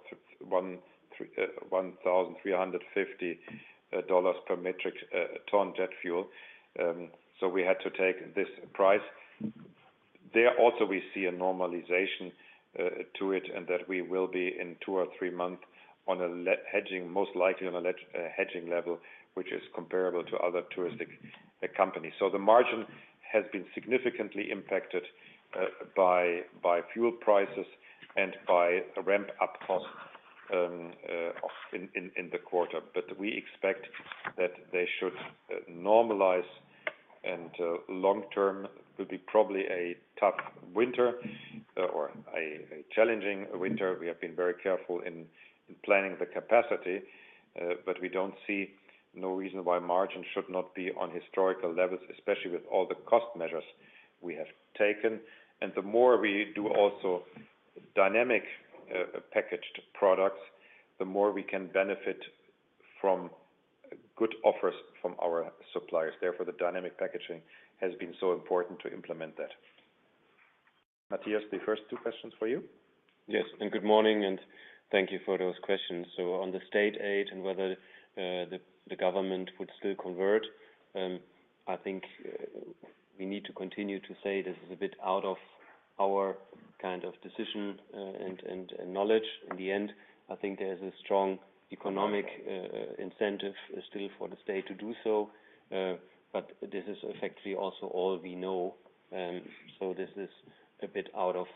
Speaker 3: $1,350 per metric ton jet fuel. We had to take this price. There also, we see a normalization to it and that we will be in two or three months on a hedging, most likely on a hedging level, which is comparable to other touristic companies. The margin has been significantly impacted by fuel prices and by ramp-up costs in the quarter. We expect that they should normalize and long-term will be probably a tough winter or a challenging winter. We have been very careful in planning the capacity, but we don't see no reason why margin should not be on historical levels, especially with all the cost measures we have taken. The more we do also dynamic packaged products, the more we can benefit from good offers from our suppliers. Therefore, the dynamic packaging has been so important to implement that. Mathias, the first two questions for you.
Speaker 4: Yes, good morning, and thank you for those questions. On the state aid and whether the government would still convert, I think we need to continue to say this is a bit out of our kind of decision, and knowledge. In the end, I think there is a strong economic incentive still for the state to do so, but this is effectively also all we know. This is a bit out of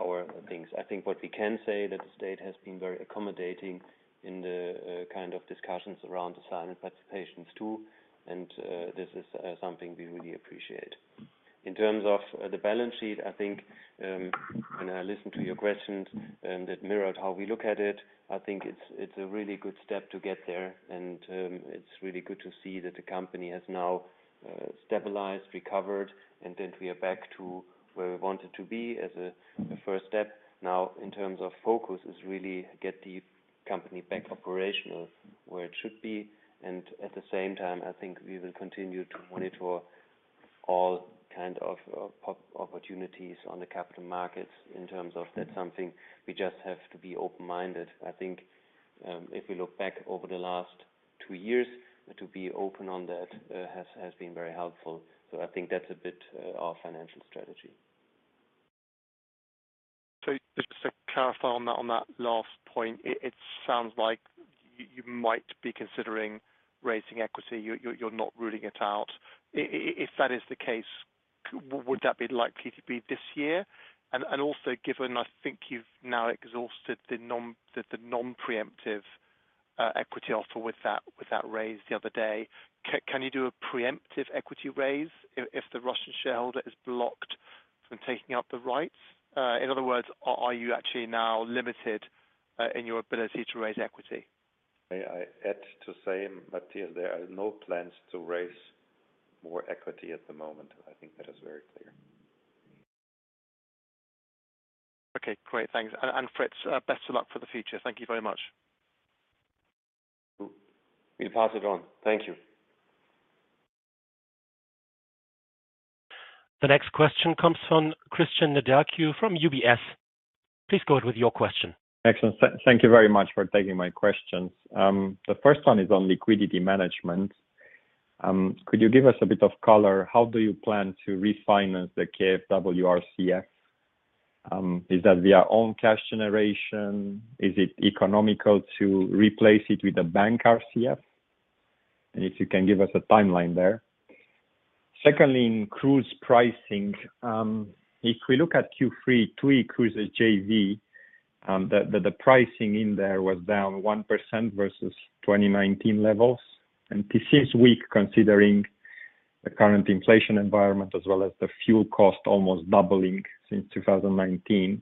Speaker 4: our things. I think what we can say that the state has been very accommodating in the kind of discussions around the silent participations too, and this is something we really appreciate. In terms of the balance sheet, I think when I listened to your questions, that mirrored how we look at it. I think it's a really good step to get there, and it's really good to see that the company has now stabilized, recovered, and that we are back to where we wanted to be as a first step. Now, in terms of focus is really get the company back operational where it should be. At the same time, I think we will continue to monitor all kind of opportunities on the capital markets in terms of that something we just have to be open-minded. I think, if we look back over the last two years, to be open on that, has been very helpful. I think that's a bit our financial strategy.
Speaker 5: Just to clarify on that, on that last point, it sounds like you might be considering raising equity. You're not ruling it out. If that is the case, would that be likely to be this year? Also given, I think you've now exhausted the non-preemptive equity offer with that raise the other day. Can you do a preemptive equity raise if the Russian shareholder is blocked from taking up the rights? In other words, are you actually now limited in your ability to raise equity?
Speaker 3: May I add to that, Mathias, there are no plans to raise more equity at the moment. I think that is very clear.
Speaker 5: Okay, great. Thanks. Fritz, best of luck for the future. Thank you very much.
Speaker 3: We pass it on. Thank you.
Speaker 1: The next question comes from Cristian Nedelcu from UBS. Please go ahead with your question.
Speaker 6: Excellent. Thank you very much for taking my questions. The first one is on liquidity management. Could you give us a bit of color, how do you plan to refinance the KfW RCF? Is that via own cash generation? Is it economical to replace it with a bank RCF? If you can give us a timeline there. Secondly, in cruise pricing, if we look at Q3 TUI Cruises JV, the pricing in there was down 1% versus 2019 levels. This is weak considering the current inflation environment as well as the fuel cost almost doubling since 2019.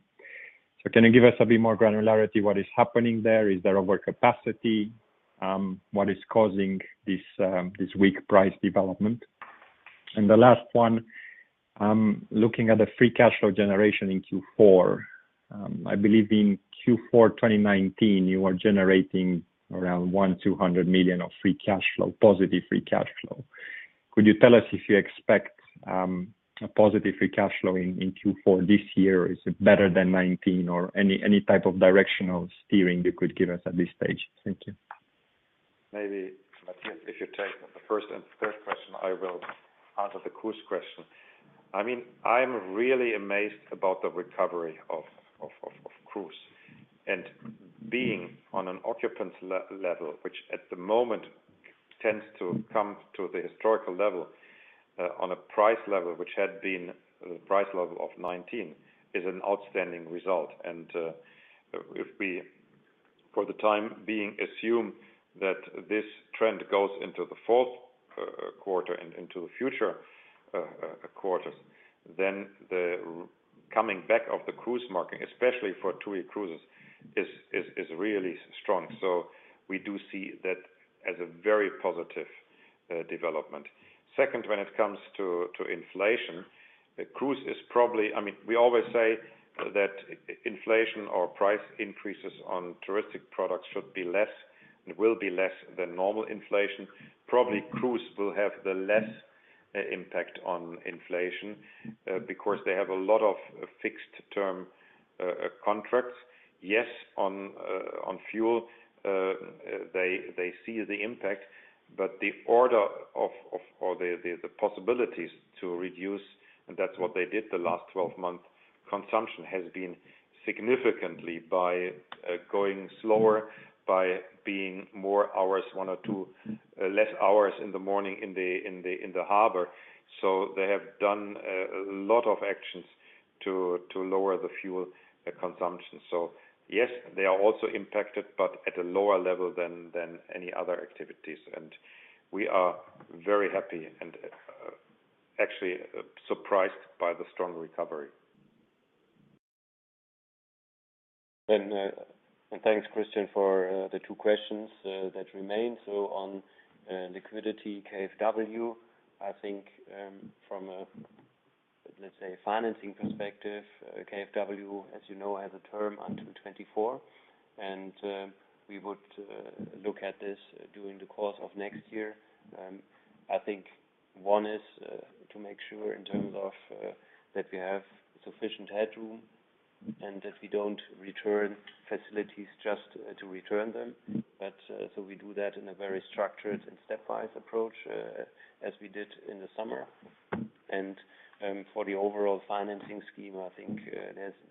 Speaker 6: Can you give us a bit more granularity what is happening there? Is there overcapacity? What is causing this weak price development? The last one, looking at the free cash flow generation in Q4, I believe in Q4 2019, you were generating around 120 million of free cash flow, positive free cash flow. Could you tell us if you expect a positive free cash flow in Q4 this year? Is it better than 2019 or any type of directional steering you could give us at this stage? Thank you.
Speaker 3: Maybe, Mathias, if you take the first and third question, I will answer the cruise question. I mean, I'm really amazed about the recovery of cruise. Being on an occupancy level, which at the moment tends to come to the historical level, on a price level, which had been the price level of 2019, is an outstanding result. If we, for the time being, assume that this trend goes into the fourth quarter and into the future quarters, then the coming back of the cruise market, especially for TUI Cruises, is really strong. We do see that as a very positive development. Second, when it comes to inflation, cruise is probably. I mean, we always say that inflation or price increases on touristic products should be less and will be less than normal inflation. Probably cruise will have the least impact on inflation because they have a lot of fixed-term contracts. Yes, on fuel they see the impact, but the possibilities to reduce, and that's what they did the last 12 months, consumption has been significantly reduced by going slower, by one or two less hours in the morning in the harbor. They have done a lot of actions to lower the fuel consumption. Yes, they are also impacted, but at a lower level than any other activities. We are very happy and actually surprised by the strong recovery.
Speaker 4: Thanks, Cristian, for the two questions that remain. On liquidity KfW, I think from a let's say financing perspective, KfW, as you know, has a term until 2024. We would look at this during the course of next year. I think one is to make sure in terms of that we have sufficient headroom and that we don't return facilities just to return them. We do that in a very structured and stepwise approach as we did in the summer. For the overall financing scheme, I think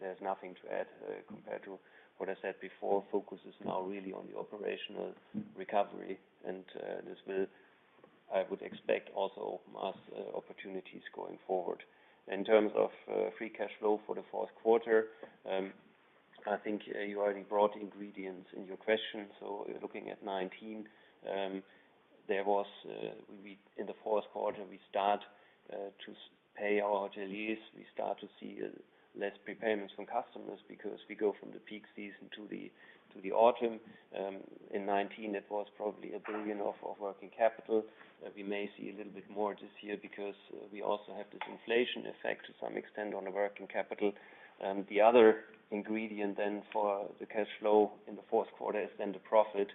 Speaker 4: there's nothing to add compared to what I said before. Focus is now really on the operational recovery. This will, I would expect, also us opportunities going forward. In terms of free cash flow for the fourth quarter, I think you already brought it up in your question. Looking at 2019, in the fourth quarter, we start to pay our hoteliers. We start to see less prepayments from customers because we go from the peak season to the autumn. In 2019, it was probably 1 billion of working capital. We may see a little bit more this year because we also have this inflation effect to some extent on the working capital. The other ingredient then for the cash flow in the fourth quarter is then the profit.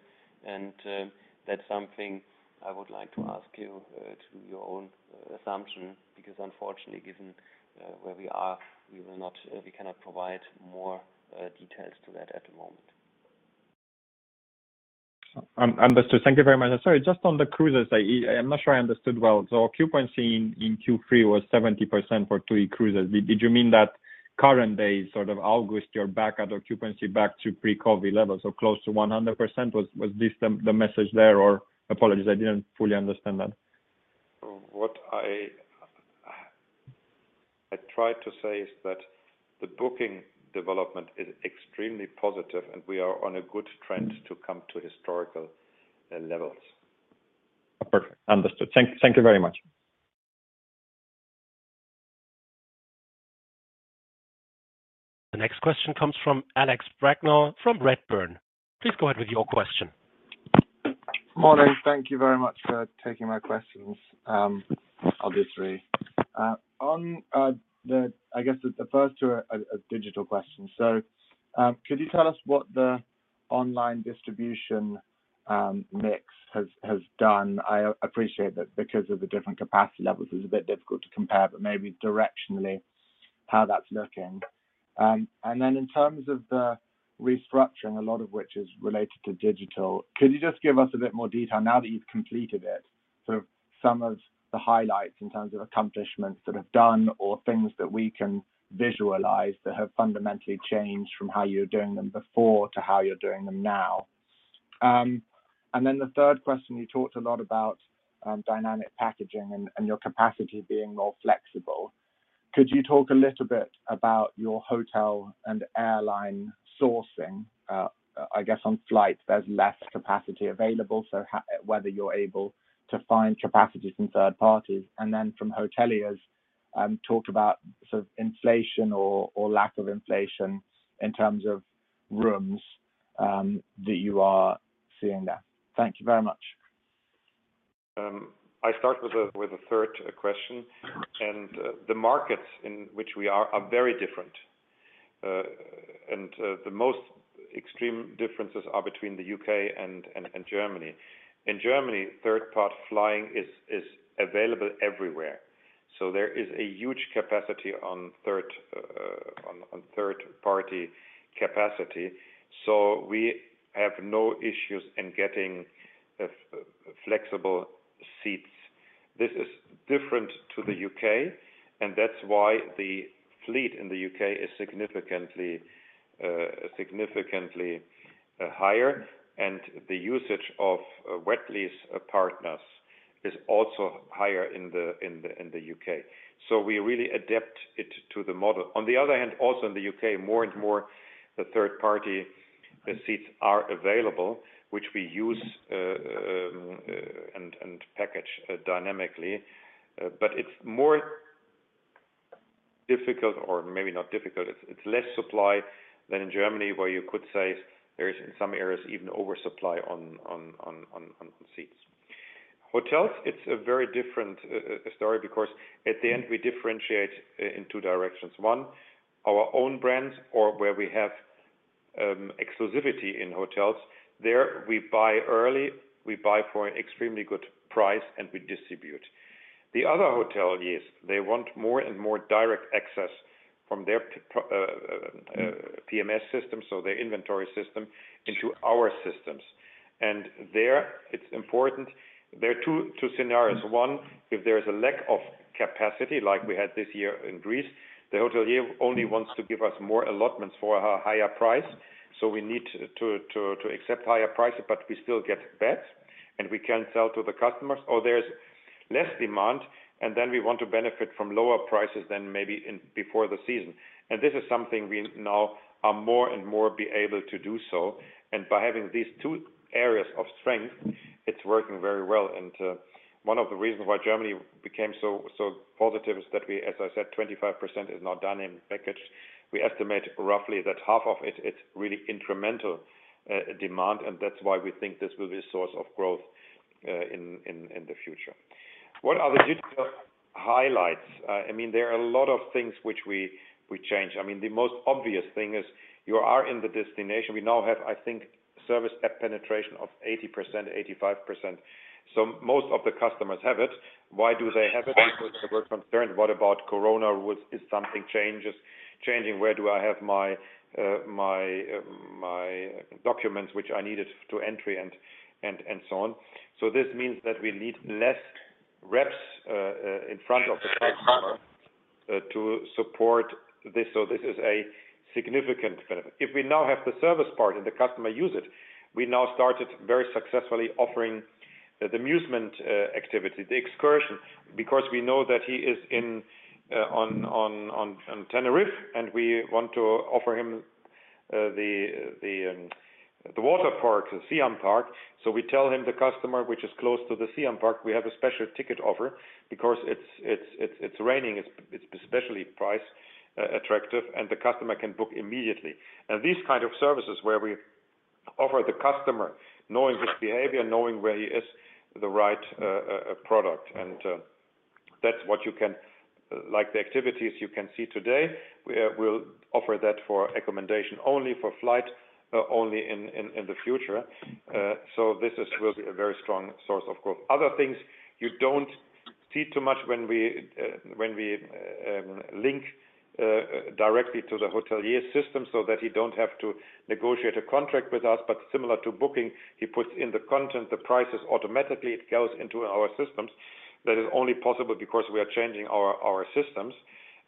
Speaker 4: That's something I would like to ask you to make your own assumption, because unfortunately, given where we are, we cannot provide more details on that at the moment.
Speaker 6: Understood. Thank you very much. Sorry, just on the cruises, I'm not sure I understood well. Occupancy in Q3 was 70% for TUI Cruises. Did you mean that currently, sort of August, you're back at occupancy back to pre-COVID levels or close to 100%? Was this the message there? Oh, apologies, I didn't fully understand that.
Speaker 3: What I tried to say is that the booking development is extremely positive, and we are on a good trend to come to historical levels.
Speaker 6: Perfect. Understood. Thank you very much.
Speaker 1: The next question comes from Alex Brignall from Redburn. Please go ahead with your question.
Speaker 7: Morning. Thank you very much for taking my questions, obviously. On, I guess the first two are digital questions. Could you tell us what the online distribution mix has done? I appreciate that because of the different capacity levels, it's a bit difficult to compare, but maybe directionally how that's looking. In terms of the restructuring, a lot of which is related to digital, could you just give us a bit more detail now that you've completed it? Sort of some of the highlights in terms of accomplishments that have done or things that we can visualize that have fundamentally changed from how you were doing them before to how you're doing them now. The third question, you talked a lot about dynamic packaging and your capacity being more flexible. Could you talk a little bit about your hotel and airline sourcing? I guess on flights there's less capacity available, so whether you're able to find capacities from third parties. From hoteliers, talk about sort of inflation or lack of inflation in terms of rooms that you are seeing there. Thank you very much.
Speaker 3: I start with the third question. The markets in which we are very different. The most extreme differences are between the U.K. and Germany. In Germany, third-party flying is available everywhere. There is a huge capacity on third-party capacity. We have no issues in getting flexible seats. This is different to the U.K., and that's why the fleet in the U.K. is significantly higher. The usage of wet lease partners is also higher in the U.K. We really adapt it to the model. On the other hand, also in the U.K., more and more the third-party seats are available, which we use and package dynamically. It's more difficult, or maybe not difficult. It's less supply than in Germany, where you could say there is in some areas even oversupply on seats. Hotels, it's a very different story because at the end, we differentiate in two directions. One, our own brands or where we have exclusivity in hotels. There we buy early, we buy for an extremely good price, and we distribute. The other hoteliers, they want more and more direct access from their PMS system, so their inventory system, into our systems. There it's important. There are two scenarios. One, if there is a lack of capacity like we had this year in Greece, the hotelier only wants to give us more allotments for a higher price. We need to accept higher prices, but we still get beds, and we can sell to the customers, or there's less demand, and then we want to benefit from lower prices than maybe before the season. This is something we now are more and more able to do so. By having these two areas of strength, it's working very well. One of the reasons why Germany became so positive is that we, as I said, 25% is now done in package. We estimate roughly that half of it's really incremental demand, and that's why we think this will be a source of growth in the future. What are the digital highlights? I mean, there are a lot of things which we change. I mean, the most obvious thing is you are in the destination. We now have, I think, service app penetration of 80%-85%. Most of the customers have it. Why do they have it? Because they were concerned, what about corona? Is something changing? Where do I have my documents which I needed to entry and so on. This means that we need less reps in front of the customer to support this. This is a significant benefit. If we now have the service part and the customer use it, we now started very successfully offering the Musement activity, the excursion, because we know that he is on Tenerife, and we want to offer him the water park, the Siam Park. We tell the customer, which is close to the Siam Park, we have a special ticket offer because it's raining, it's especially priced attractive, and the customer can book immediately. These kind of services where we offer the customer knowing his behavior, knowing where he is, the right product. That's what you can. Like, the activities you can see today, we'll offer that for accommodation only, for flight only in the future. This is really a very strong source of growth. Other things you don't see too much when we link directly to the hotelier system so that he don't have to negotiate a contract with us. Similar to booking, he puts in the content, the prices. Automatically, it goes into our systems. That is only possible because we are changing our systems.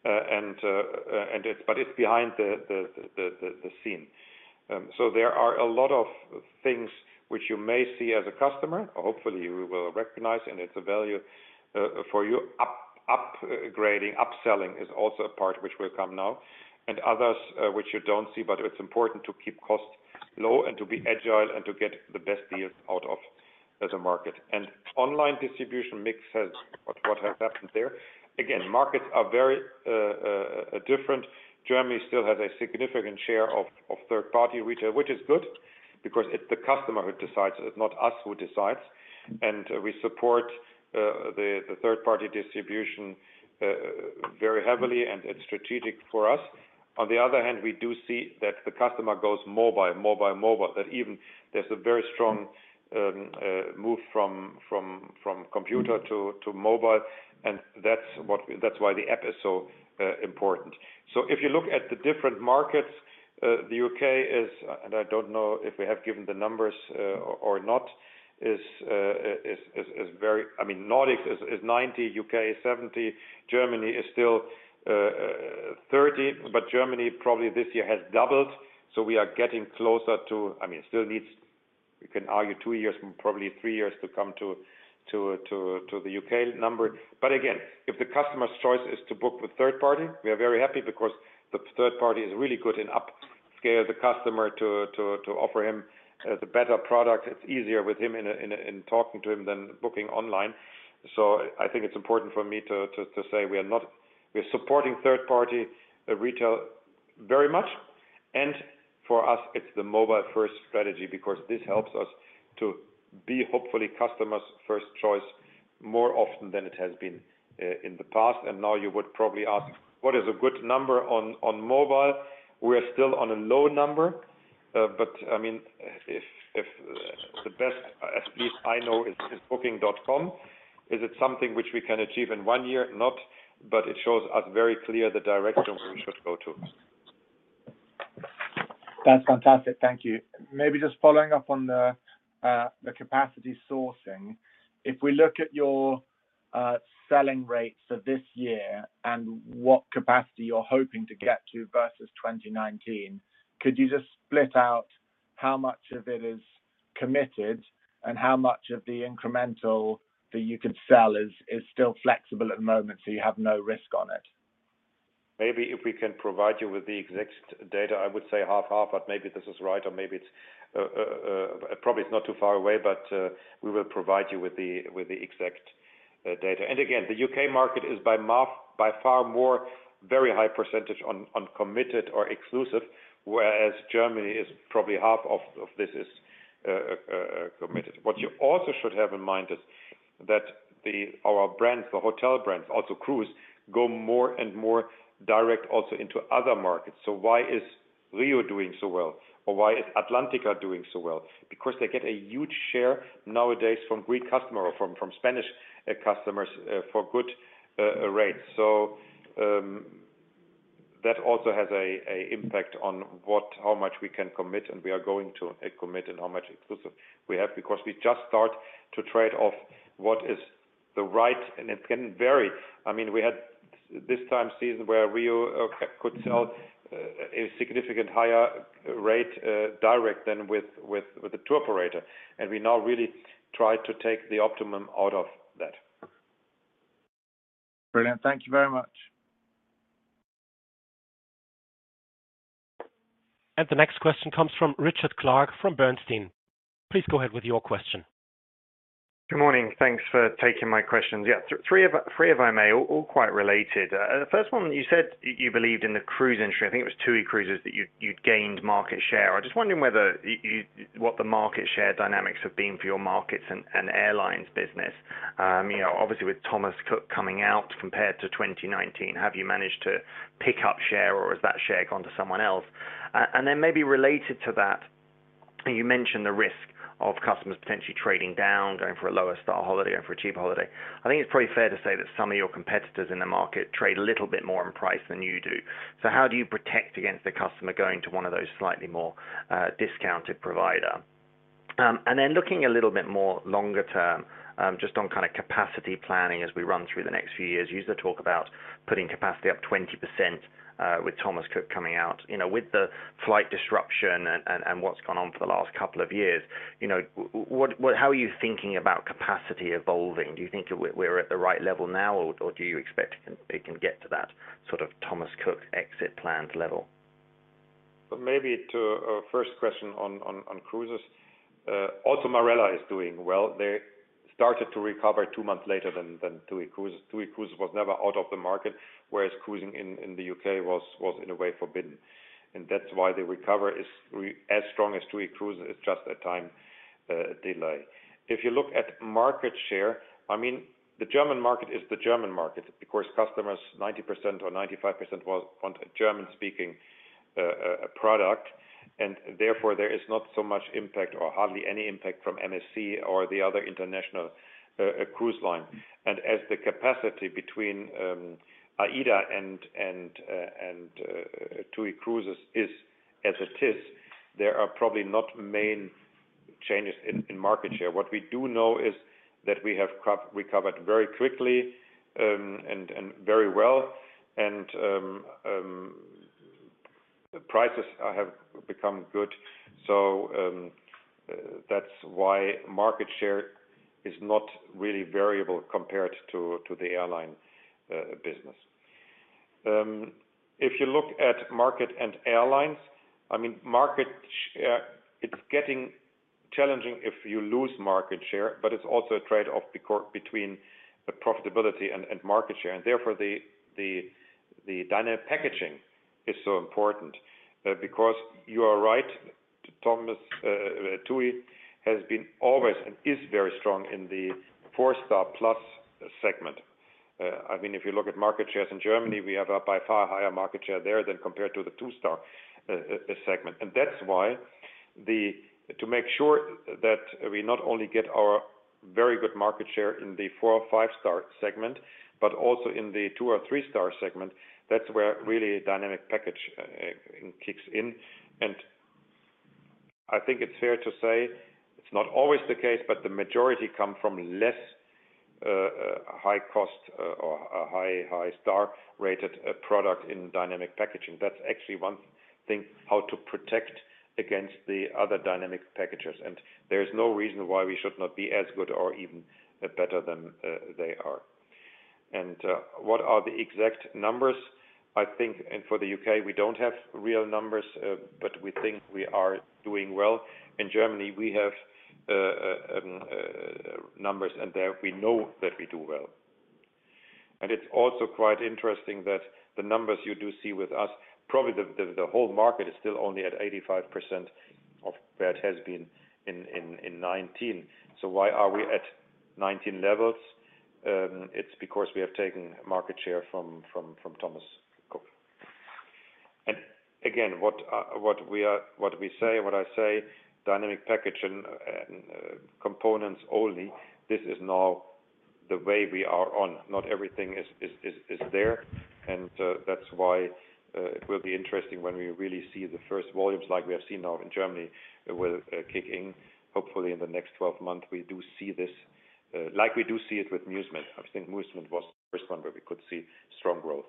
Speaker 3: It's behind the scene. There are a lot of things which you may see as a customer. Hopefully, you will recognize and it's a value for you. Upgrading, upselling is also a part which will come now, and others, which you don't see, but it's important to keep costs low and to be agile and to get the best deals out of the market. The online distribution mix, what's happened there. Again, markets are very different. Germany still has a significant share of third-party retail, which is good because it's the customer who decides, it's not us who decides. We support the third-party distribution very heavily, and it's strategic for us. On the other hand, we do see that the customer goes mobile. That even there's a very strong move from computer to mobile, and that's why the app is so important. If you look at the different markets, the U.K. is, and I don't know if we have given the numbers or not, is very. I mean, Nordics is 90%. U.K. is 70%. Germany is still 30%, but Germany probably this year has doubled. We are getting closer to. I mean, it still needs, you can argue two years, probably three years to come to the U.K. number. Again, if the customer's choice is to book with third party, we are very happy because the third party is really good in upscale the customer to offer him the better product. It's easier with him in talking to him than booking online. I think it's important for me to say we are supporting third-party retail very much. For us, it's the mobile-first strategy because this helps us to be hopefully customers' first choice more often than it has been in the past. Now you would probably ask, what is a good number on mobile? We are still on a low number. I mean, if the best, at least I know, is Booking.com, is it something which we can achieve in one year? Not. It shows us very clear the direction we should go to.
Speaker 7: That's fantastic. Thank you. Maybe just following up on the capacity sourcing. If we look at your selling rates for this year and what capacity you're hoping to get to versus 2019, could you just split out how much of it is committed and how much of the incremental that you can sell is still flexible at the moment, so you have no risk on it?
Speaker 3: Maybe if we can provide you with the exact data, I would say half/half, but maybe this is right or maybe it's probably not too far away, but we will provide you with the exact data. Again, the U.K. market is by far a very high percentage of committed or exclusive, whereas Germany is probably half of this is committed. What you also should have in mind is that our brands, the hotel brands, also cruise, go more and more direct also into other markets. Why is Riu doing so well? Or why is Atlantica doing so well? Because they get a huge share nowadays from Greek customer or from Spanish customers for good rates. That also has an impact on how much we can commit, and we are going to commit and how much exclusivity we have, because we just start to trade off what is the right, and it can vary. I mean, we had this high season where Riu could sell a significantly higher rate direct than with the tour operator, and we now really try to take the optimum out of that.
Speaker 7: Brilliant. Thank you very much.
Speaker 1: The next question comes from Richard Clarke from Bernstein. Please go ahead with your question.
Speaker 8: Good morning. Thanks for taking my questions. Yeah. Three if I may, all quite related. The first one, you said you believed in the cruise industry. I think it was TUI Cruises that you had gained market share. I'm just wondering what the market share dynamics have been for your markets and airlines business. You know, obviously with Thomas Cook coming out compared to 2019, have you managed to pick up share or has that share gone to someone else? And then maybe related to that, you mentioned the risk of customers potentially trading down, going for a lower star holiday or for a cheap holiday. I think it's probably fair to say that some of your competitors in the market trade a little bit more on price than you do. How do you protect against the customer going to one of those slightly more discounted provider? Looking a little bit more longer-term, just on kind of capacity planning as we run through the next few years. You used to talk about putting capacity up 20%, with Thomas Cook coming out. You know, with the flight disruption and what's gone on for the last couple of years, you know, how are you thinking about capacity evolving? Do you think we're at the right level now, or do you expect it can get to that sort of Thomas Cook exit planned level?
Speaker 3: Maybe to first question on cruises. Also Marella is doing well. They started to recover two months later than TUI Cruises. TUI Cruises was never out of the market, whereas cruising in the U.K. was in a way forbidden. That's why the recovery is as strong as TUI Cruises is just a time delay. If you look at market share, I mean, the German market is the German market, because customers 90% or 95% want a German speaking product. Therefore, there is not so much impact or hardly any impact from MSC or the other international cruise line. As the capacity between AIDA and TUI Cruises is as it is, there are probably not main changes in market share. What we do know is that we have recovered very quickly, and very well. The prices have become good. That's why market share is not really variable compared to the airline business. If you look at market share in airlines, it's getting challenging if you lose market share, but it's also a trade-off between the profitability and market share. Therefore, dynamic packaging is so important, because you are right, Thomas. TUI has been always and is very strong in the four-star plus segment. If you look at market shares in Germany, we have by far higher market share there than compared to the two-star segment. That's why to make sure that we not only get our very good market share in the four or five-star segment, but also in the two or three-star segment, that's where really dynamic packaging kicks in. I think it's fair to say it's not always the case, but the majority come from less high cost or a high star rated product in dynamic packaging. That's actually one thing, how to protect against the other dynamic packages. There is no reason why we should not be as good or even better than they are. What are the exact numbers? I think, and for the U.K., we don't have real numbers, but we think we are doing well. In Germany, we have numbers, and there we know that we do well. It's also quite interesting that the numbers you do see with us, probably the whole market is still only at 85% of where it has been in 2019. So why are we at 2019 levels? It's because we have taken market share from Thomas Cook. Again, what we say, dynamic packaging, components only, this is now the way we are on. Not everything is there. That's why it will be interesting when we really see the first volumes like we have seen now in Germany will kick in. Hopefully in the next 12 months, we do see this like we do see it with Musement. I think Musement was the first one where we could see strong growth.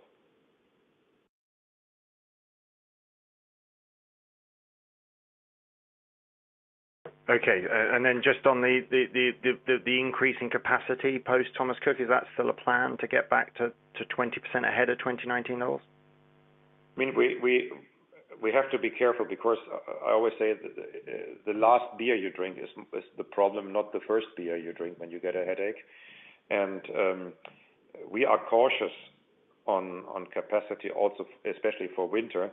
Speaker 8: Just on the increase in capacity post Thomas Cook, is that still a plan to get back to 20% ahead of 2019 levels?
Speaker 3: I mean, we have to be careful because I always say the last beer you drink is the problem, not the first beer you drink when you get a headache. We are cautious on capacity also, especially for winter.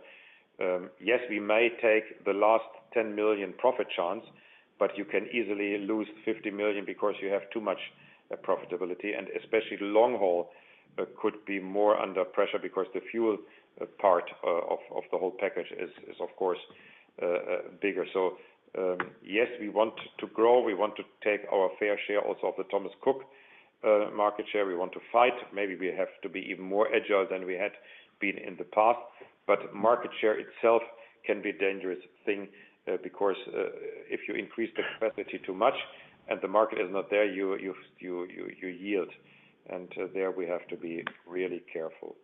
Speaker 3: Yes, we may take the last 10 million profit chance, but you can easily lose 50 million because you have too much profitability. Especially long haul could be more under pressure because the fuel part of the whole package is of course bigger. Yes, we want to grow. We want to take our fair share also of the Thomas Cook market share. We want to fight. Maybe we have to be even more agile than we had been in the past. Market share itself can be a dangerous thing, because if you increase the capacity too much and the market is not there, you yield. There we have to be really careful.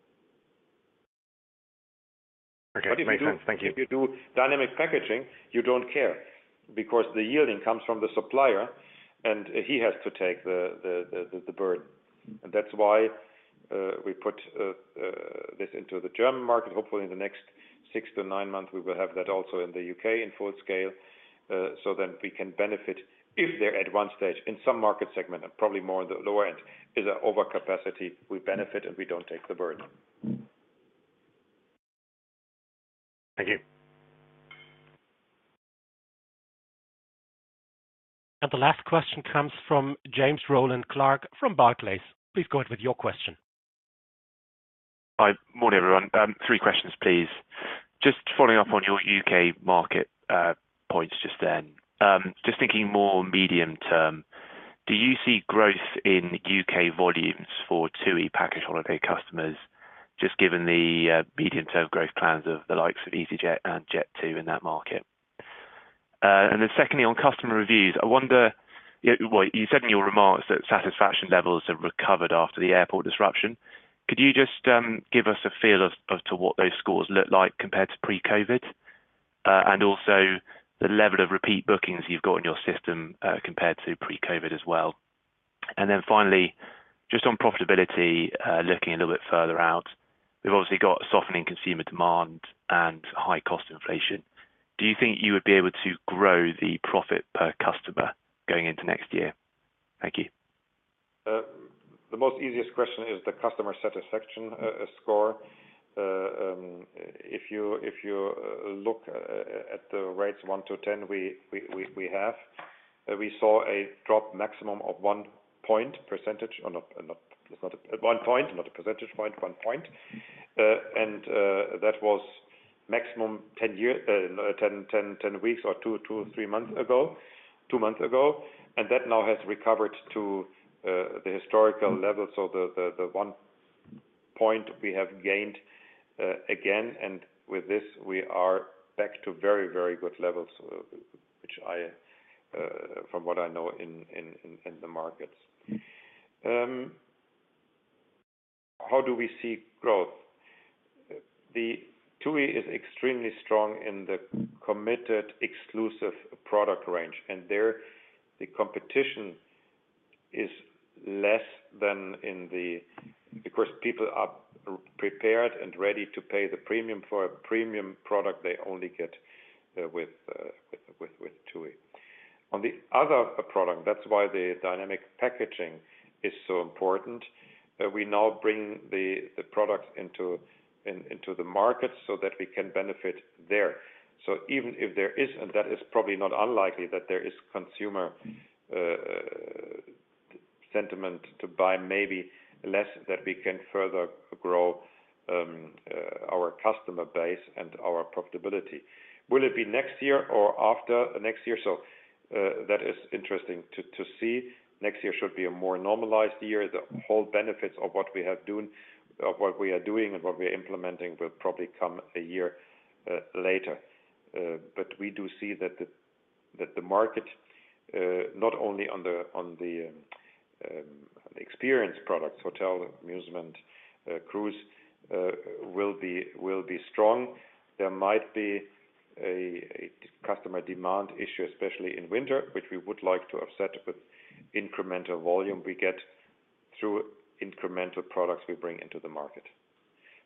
Speaker 8: Okay. Makes sense. Thank you.
Speaker 3: If you do dynamic packaging, you don't care because the yielding comes from the supplier, and he has to take the burden. That's why we put this into the German market. Hopefully in the next six to nine months, we will have that also in the U.K. in full scale, so then we can benefit if there at one stage in some market segment, and probably more in the lower end, is an overcapacity, we benefit and we don't take the burden.
Speaker 8: Thank you.
Speaker 1: The last question comes from James Rowland Clark from Barclays. Please go ahead with your question.
Speaker 9: Hi. Morning, everyone. Three questions, please. Just following up on your U.K. market points just then. Just thinking more medium-term. Do you see growth in U.K. volumes for TUI package holiday customers, just given the medium-term growth plans of the likes of easyJet and Jet2 in that market? And then secondly, on customer reviews, I wonder, well, you said in your remarks that satisfaction levels have recovered after the airport disruption. Could you just give us a feel as to what those scores look like compared to pre-COVID, and also the level of repeat bookings you've got in your system, compared to pre-COVID as well? Finally, just on profitability, looking a little bit further out, we've obviously got softening consumer demand and high cost inflation. Do you think you would be able to grow the profit per customer going into next year? Thank you.
Speaker 3: The most easiest question is the customer satisfaction score. If you look at the rates one to 10 we saw a drop maximum of one point percentage. It's not one point, not a percentage point, one point. That was maximum 10 weeks or two to three months ago. Two months ago. That now has recovered to the historical level. The one point we have gained again, and with this we are back to very, very good levels, which I from what I know in the markets. How do we see growth? TUI is extremely strong in the committed exclusive product range, and there, the competition is less than in the Because people are prepared and ready to pay the premium for a premium product they only get with TUI. On the other product, that's why the dynamic packaging is so important, that we now bring the products into the market so that we can benefit there. Even if there is, and that is probably not unlikely, that there is consumer sentiment to buy maybe less, that we can further grow our customer base and our profitability. Will it be next year or after next year? That is interesting to see. Next year should be a more normalized year. The whole benefits of what we are doing and what we are implementing will probably come a year later. We do see that the market not only on the experience products, hotel, Musement, cruise will be strong. There might be a customer demand issue, especially in winter, which we would like to offset with incremental volume we get through incremental products we bring into the market.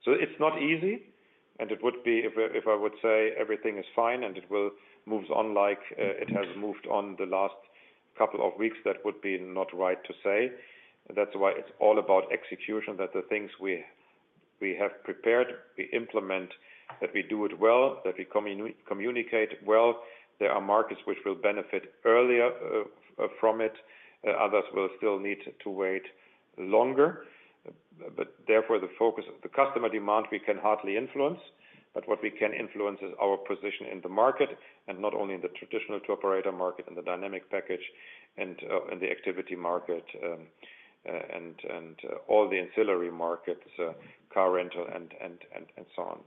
Speaker 3: It's not easy, and it would be if I would say everything is fine and it will moves on like it has moved on the last couple of weeks, that would be not right to say. That's why it's all about execution, that the things we have prepared, we implement, that we do it well, that we communicate well. There are markets which will benefit earlier from it. Others will still need to wait longer. Therefore, the focus. The customer demand we can hardly influence, but what we can influence is our position in the market, and not only in the traditional tour operator market, in the dynamic packaging and in the activity market, and all the ancillary markets, car rental and so on.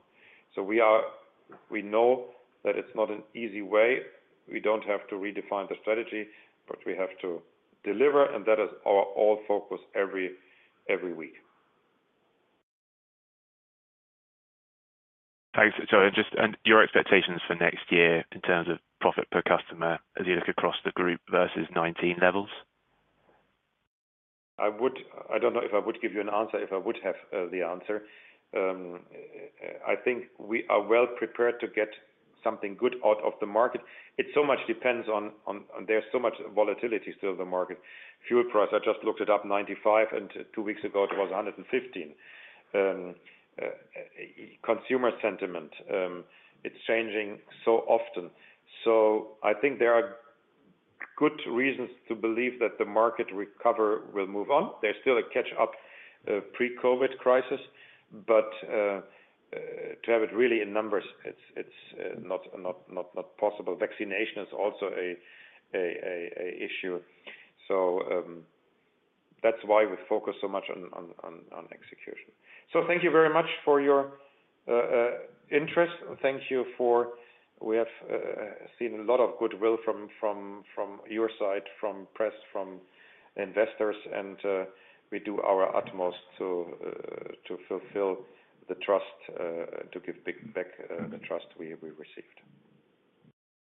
Speaker 3: We know that it's not an easy way. We don't have to redefine the strategy, but we have to deliver and that is our all focus every week.
Speaker 9: Thanks. Your expectations for next year in terms of profit per customer as you look across the group versus 2019 levels?
Speaker 3: I don't know if I would have the answer. I think we are well prepared to get something good out of the market. It depends so much on. There's so much volatility still in the market. Fuel price, I just looked it up, $95, and two weeks ago it was $115. Consumer sentiment, it's changing so often. I think there are good reasons to believe that the market recovery will move on. There's still a catch-up pre-COVID crisis, but to have it really in numbers, it's not possible. Vaccination is also an issue. That's why we focus so much on execution. Thank you very much for your interest. Thank you for We have seen a lot of goodwill from your side, from press, from investors, and we do our utmost to fulfill the trust, to give back the trust we received.